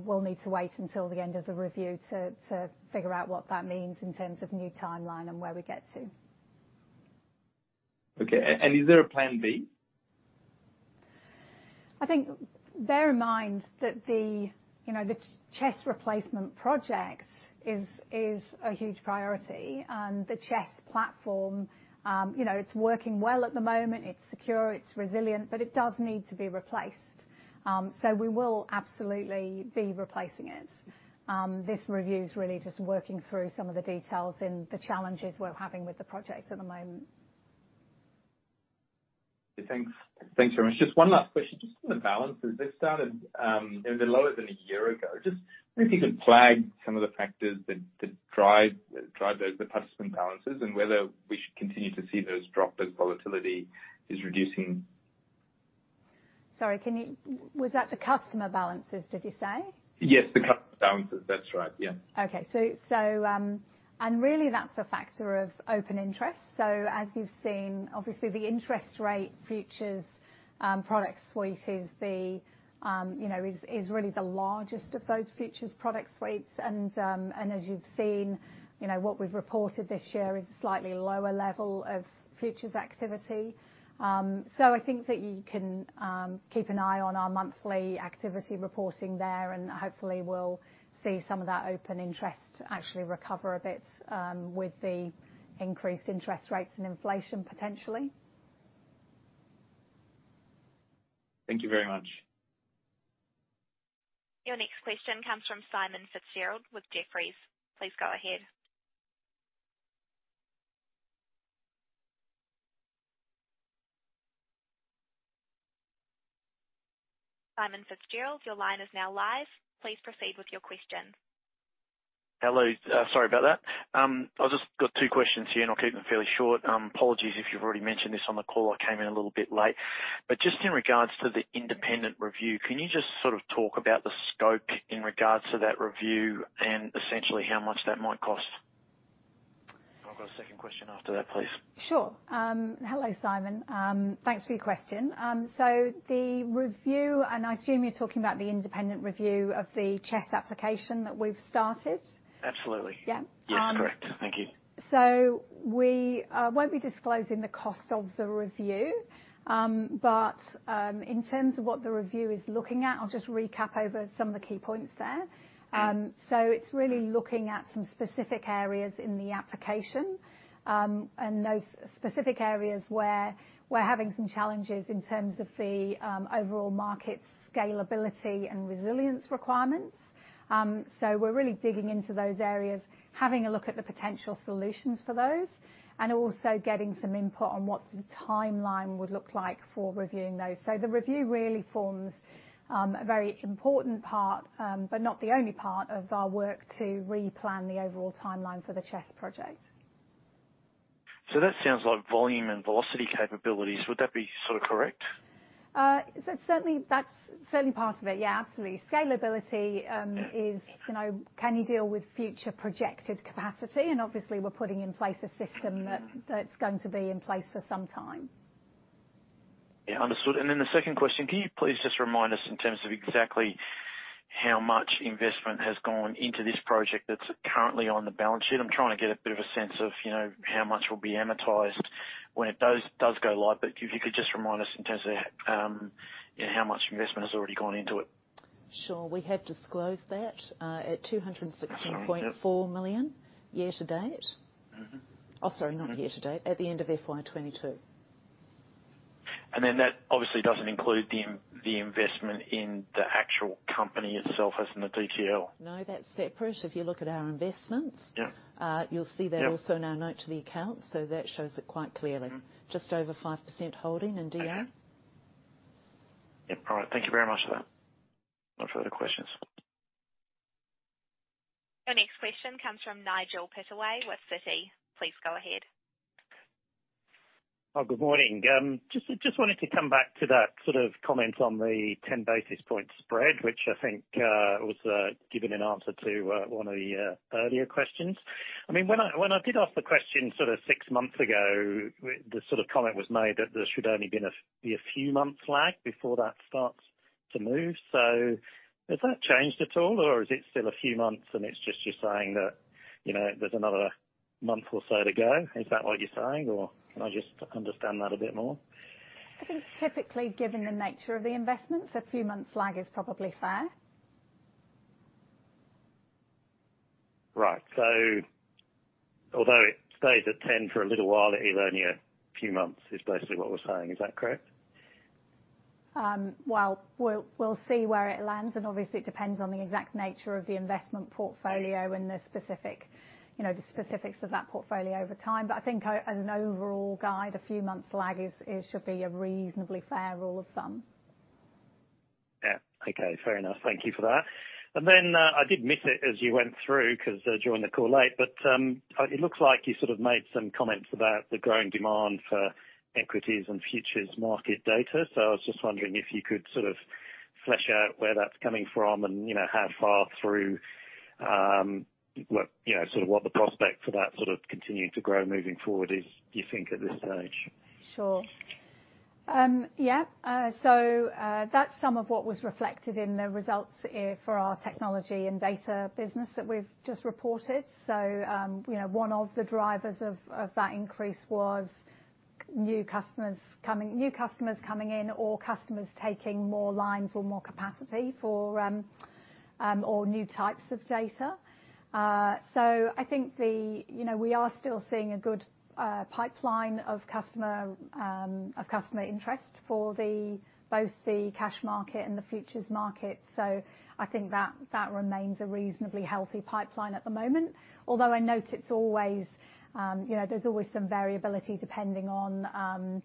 we'll need to wait until the end of the review to figure out what that means in terms of new timeline and where we get to. Okay. Is there a plan B? I think, bear in mind that the, you know, the CHESS replacement project is a huge priority. The CHESS platform, you know, it's working well at the moment. It's secure, it's resilient, but it does need to be replaced. We will absolutely be replacing it. This review's really just working through some of the details and the challenges we're having with the project at the moment. Thanks. Thanks very much. Just one last question. Just on the balances. They've been lower than a year ago. Just wonder if you could flag some of the factors that drive the participant balances and whether we should continue to see those drop as volatility is reducing. Sorry, was that the customer balances, did you say? Yes, the customer balances. That's right. Yeah. Really that's a factor of open interest. As you've seen, obviously the interest rate futures product suite is really the largest of those futures product suites. As you've seen, you know, what we've reported this year is a slightly lower level of futures activity. I think that you can keep an eye on our monthly activity reporting there, and hopefully we'll see some of that open interest actually recover a bit with the increased interest rates and inflation potentially. Thank you very much. Your next question comes from Simon Fitzgerald with Jefferies. Please go ahead. Simon Fitzgerald, your line is now live. Please proceed with your question. Hello. Sorry about that. I've just got two questions here, and I'll keep them fairly short. Apologies if you've already mentioned this on the call. I came in a little bit late. Just in regards to the independent review, can you just sort of talk about the scope in regards to that review and essentially how much that might cost? I've got a second question after that, please. Sure. Hello, Simon. Thanks for your question. The review, and I assume you're talking about the independent review of the CHESS application that we've started. Absolutely. Yeah. Yes, correct. Thank you. We won't be disclosing the cost of the review. In terms of what the review is looking at, I'll just recap over some of the key points there. It's really looking at some specific areas in the application. Those specific areas where we're having some challenges in terms of the overall market scalability and resilience requirements. We're really digging into those areas, having a look at the potential solutions for those, and also getting some input on what the timeline would look like for reviewing those. The review really forms a very important part, but not the only part of our work to replan the overall timeline for the CHESS project. That sounds like volume and velocity capabilities. Would that be sort of correct? Certainly that's part of it. Yeah, absolutely. Scalability, is, you know, can you deal with future projected capacity? Obviously we're putting in place a system that's going to be in place for some time. Yeah, understood. Then the second question, can you please just remind us in terms of exactly how much investment has gone into this project that's currently on the balance sheet? I'm trying to get a bit of a sense of, you know, how much will be amortized when it does go live. If you could just remind us in terms of how much investment has already gone into it? Sure. We have disclosed that at 216.4 million year-to-date. Oh, sorry. Not year-to-date, at the end of FY 2022. That obviously doesn't include the investment in the actual company itself as in the DTL? No, that's separate. If you look at our investments. Yeah. You'll see that also in our note to the account. That shows it quite clearly. Just over 5% holding in DA. Okay. Yeah, all right. Thank you very much for that. No further questions. Your next question comes from Nigel Pittaway with Citi. Please go ahead. Good morning. Just wanted to come back to that sort of comment on the 10 basis point spread, which I think was given an answer to one of the earlier questions. I mean, when I did ask the question sort of six months ago, the sort of comment was made that there should only be a few months lag before that starts to move. Has that changed at all, or is it still a few months and it's just you're saying that, you know, there's another month or so to go? Is that what you're saying, or can I just understand that a bit more? I think typically given the nature of the investments, a few months lag is probably fair. Right. Although it stays at 10 basis points for a little while, even only a few months, is basically what we're saying. Is that correct? Well, we'll see where it lands, and obviously it depends on the exact nature of the investment portfolio and the specific, you know, the specifics of that portfolio over time. I think as an overall guide, a few months lag is should be a reasonably fair rule of thumb. Yeah. Okay. Fair enough. Thank you for that. Then, I did miss it as you went through 'cause joined the call late, but it looks like you sort of made some comments about the growing demand for equities and futures market data. I was just wondering if you could sort of flesh out where that's coming from and, you know, how far through what, you know, sort of what the prospect for that sort of continuing to grow moving forward is, you think, at this stage? Sure. Yeah. That's some of what was reflected in the results for our technology and data business that we've just reported. You know, one of the drivers of that increase was new customers coming in or customers taking more lines or more capacity for or new types of data. I think you know, we are still seeing a good pipeline of customer interest for both the cash market and the futures market. I think that remains a reasonably healthy pipeline at the moment. Although I note it's always you know, there's always some variability depending on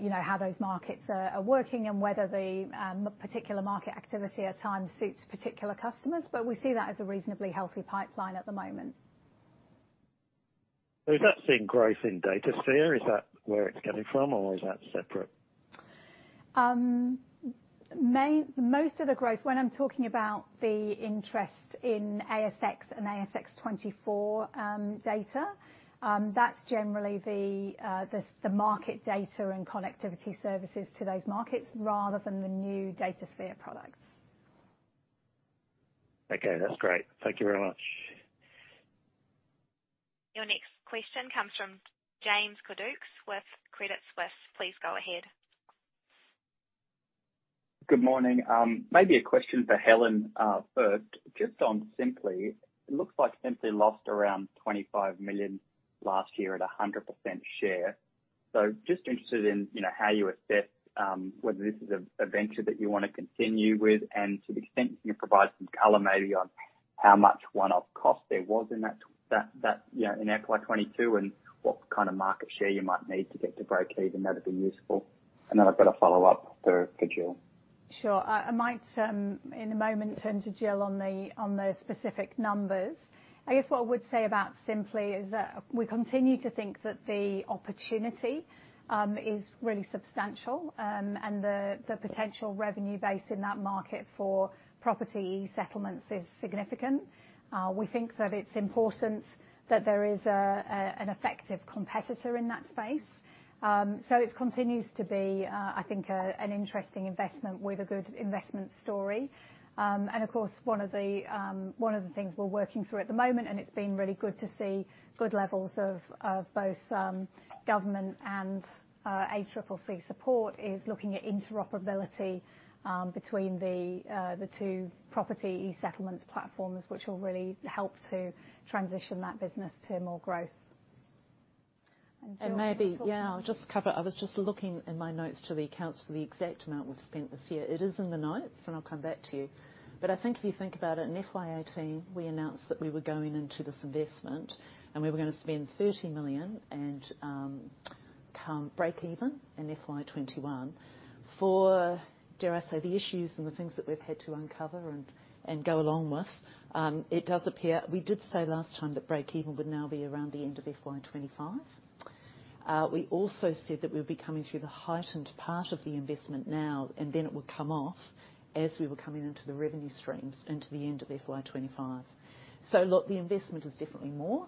you know, how those markets are working and whether the particular market activity at times suits particular customers. We see that as a reasonably healthy pipeline at the moment. Is that seeing growth in DataSphere? Is that where it's coming from or is that separate? Most of the growth, when I'm talking about the interest in ASX and ASX 24 data, that's generally the market data and connectivity services to those markets rather than the new ASX DataSphere products. Okay. That's great. Thank you very much. Your next question comes from James Cordukes with Credit Suisse. Please go ahead. Good morning. Maybe a question for Helen first. Just on Sympli. It looks like Sympli lost around 25 million last year at a 100% share. Just interested in, you know, how you assess whether this is a venture that you wanna continue with. To the extent you can provide some color maybe on how much one-off cost there was in that, in FY 2022, and what kind of market share you might need to get to breakeven, that'd be useful. Then I've got a follow-up for Gill. Sure. I might in a moment turn to Gill on the specific numbers. I guess what I would say about Sympli is that we continue to think that the opportunity is really substantial. The potential revenue base in that market for property e-Settlements is significant. We think that it's important that there is an effective competitor in that space. It continues to be I think an interesting investment with a good investment story. Of course one of the things we're working through at the moment, and it's been really good to see good levels of both government and ACCC support, is looking at interoperability between the two property e-Settlements platforms, which will really help to transition that business to more growth. And Gill. Maybe, yeah, I'll just cover. I was just looking in my notes to the accounts for the exact amount we've spent this year. It is in the notes, and I'll come back to you. I think if you think about it, in FY 2018, we announced that we were going into this investment, and we were gonna spend 30 million and come breakeven in FY 2021. For, dare I say, the issues and the things that we've had to uncover and go along with, it does appear. We did say last time that breakeven would now be around the end of FY 2025. We also said that we'll be coming through the heightened part of the investment now, and then it would come off as we were coming into the revenue streams into the end of FY 2025. Look, the investment is definitely more.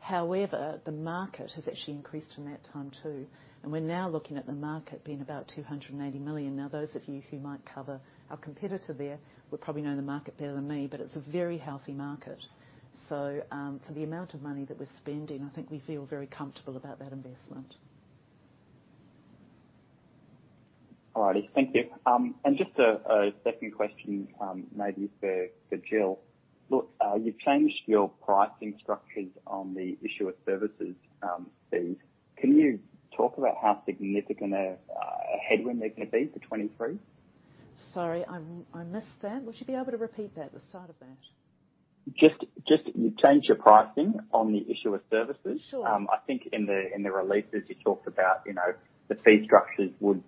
However, the market has actually increased in that time, too, and we're now looking at the market being about 280 million. Now, those of you who might cover our competitor there would probably know the market better than me, but it's a very healthy market. For the amount of money that we're spending, I think we feel very comfortable about that investment. All righty. Thank you. Just a second question, maybe for Gill. Look, you've changed your pricing structures on the issuer services fees. Can you talk about how significant a headwind they're gonna be for 2023? Sorry, I missed that. Would you be able to repeat that, the start of that? Just, you changed your pricing on the issuer services. Sure. I think in the releases you talked about, you know, the fee structures would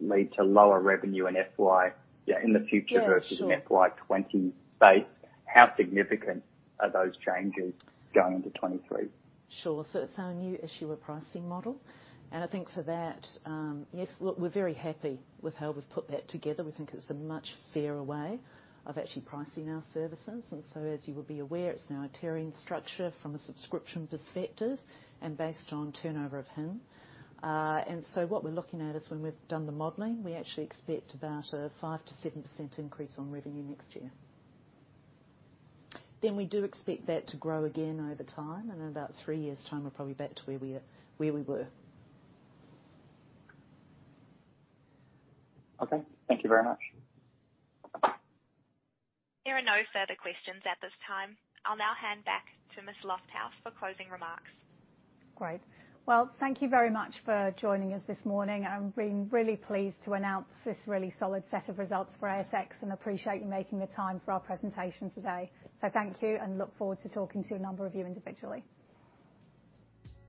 lead to lower revenue in FY, yeah, in the future. Yeah, sure. Versus an FY 2020 base. How significant are those changes going into 2023? Sure. It's our new issuer pricing model. I think for that, yes. Look, we're very happy with how we've put that together. We think it's a much fairer way of actually pricing our services. As you would be aware, it's now a tiering structure from a subscription perspective and based on turnover of HIN. What we're looking at is when we've done the modeling, we actually expect about a 5%-7% increase on revenue next year. We do expect that to grow again over time. In about three years' time, we're probably back to where we were. Okay. Thank you very much. There are no further questions at this time. I'll now hand back to Ms. Lofthouse for closing remarks. Great. Well, thank you very much for joining us this morning. I'm really pleased to announce this really solid set of results for ASX and appreciate you making the time for our presentation today. Thank you and look forward to talking to a number of you individually.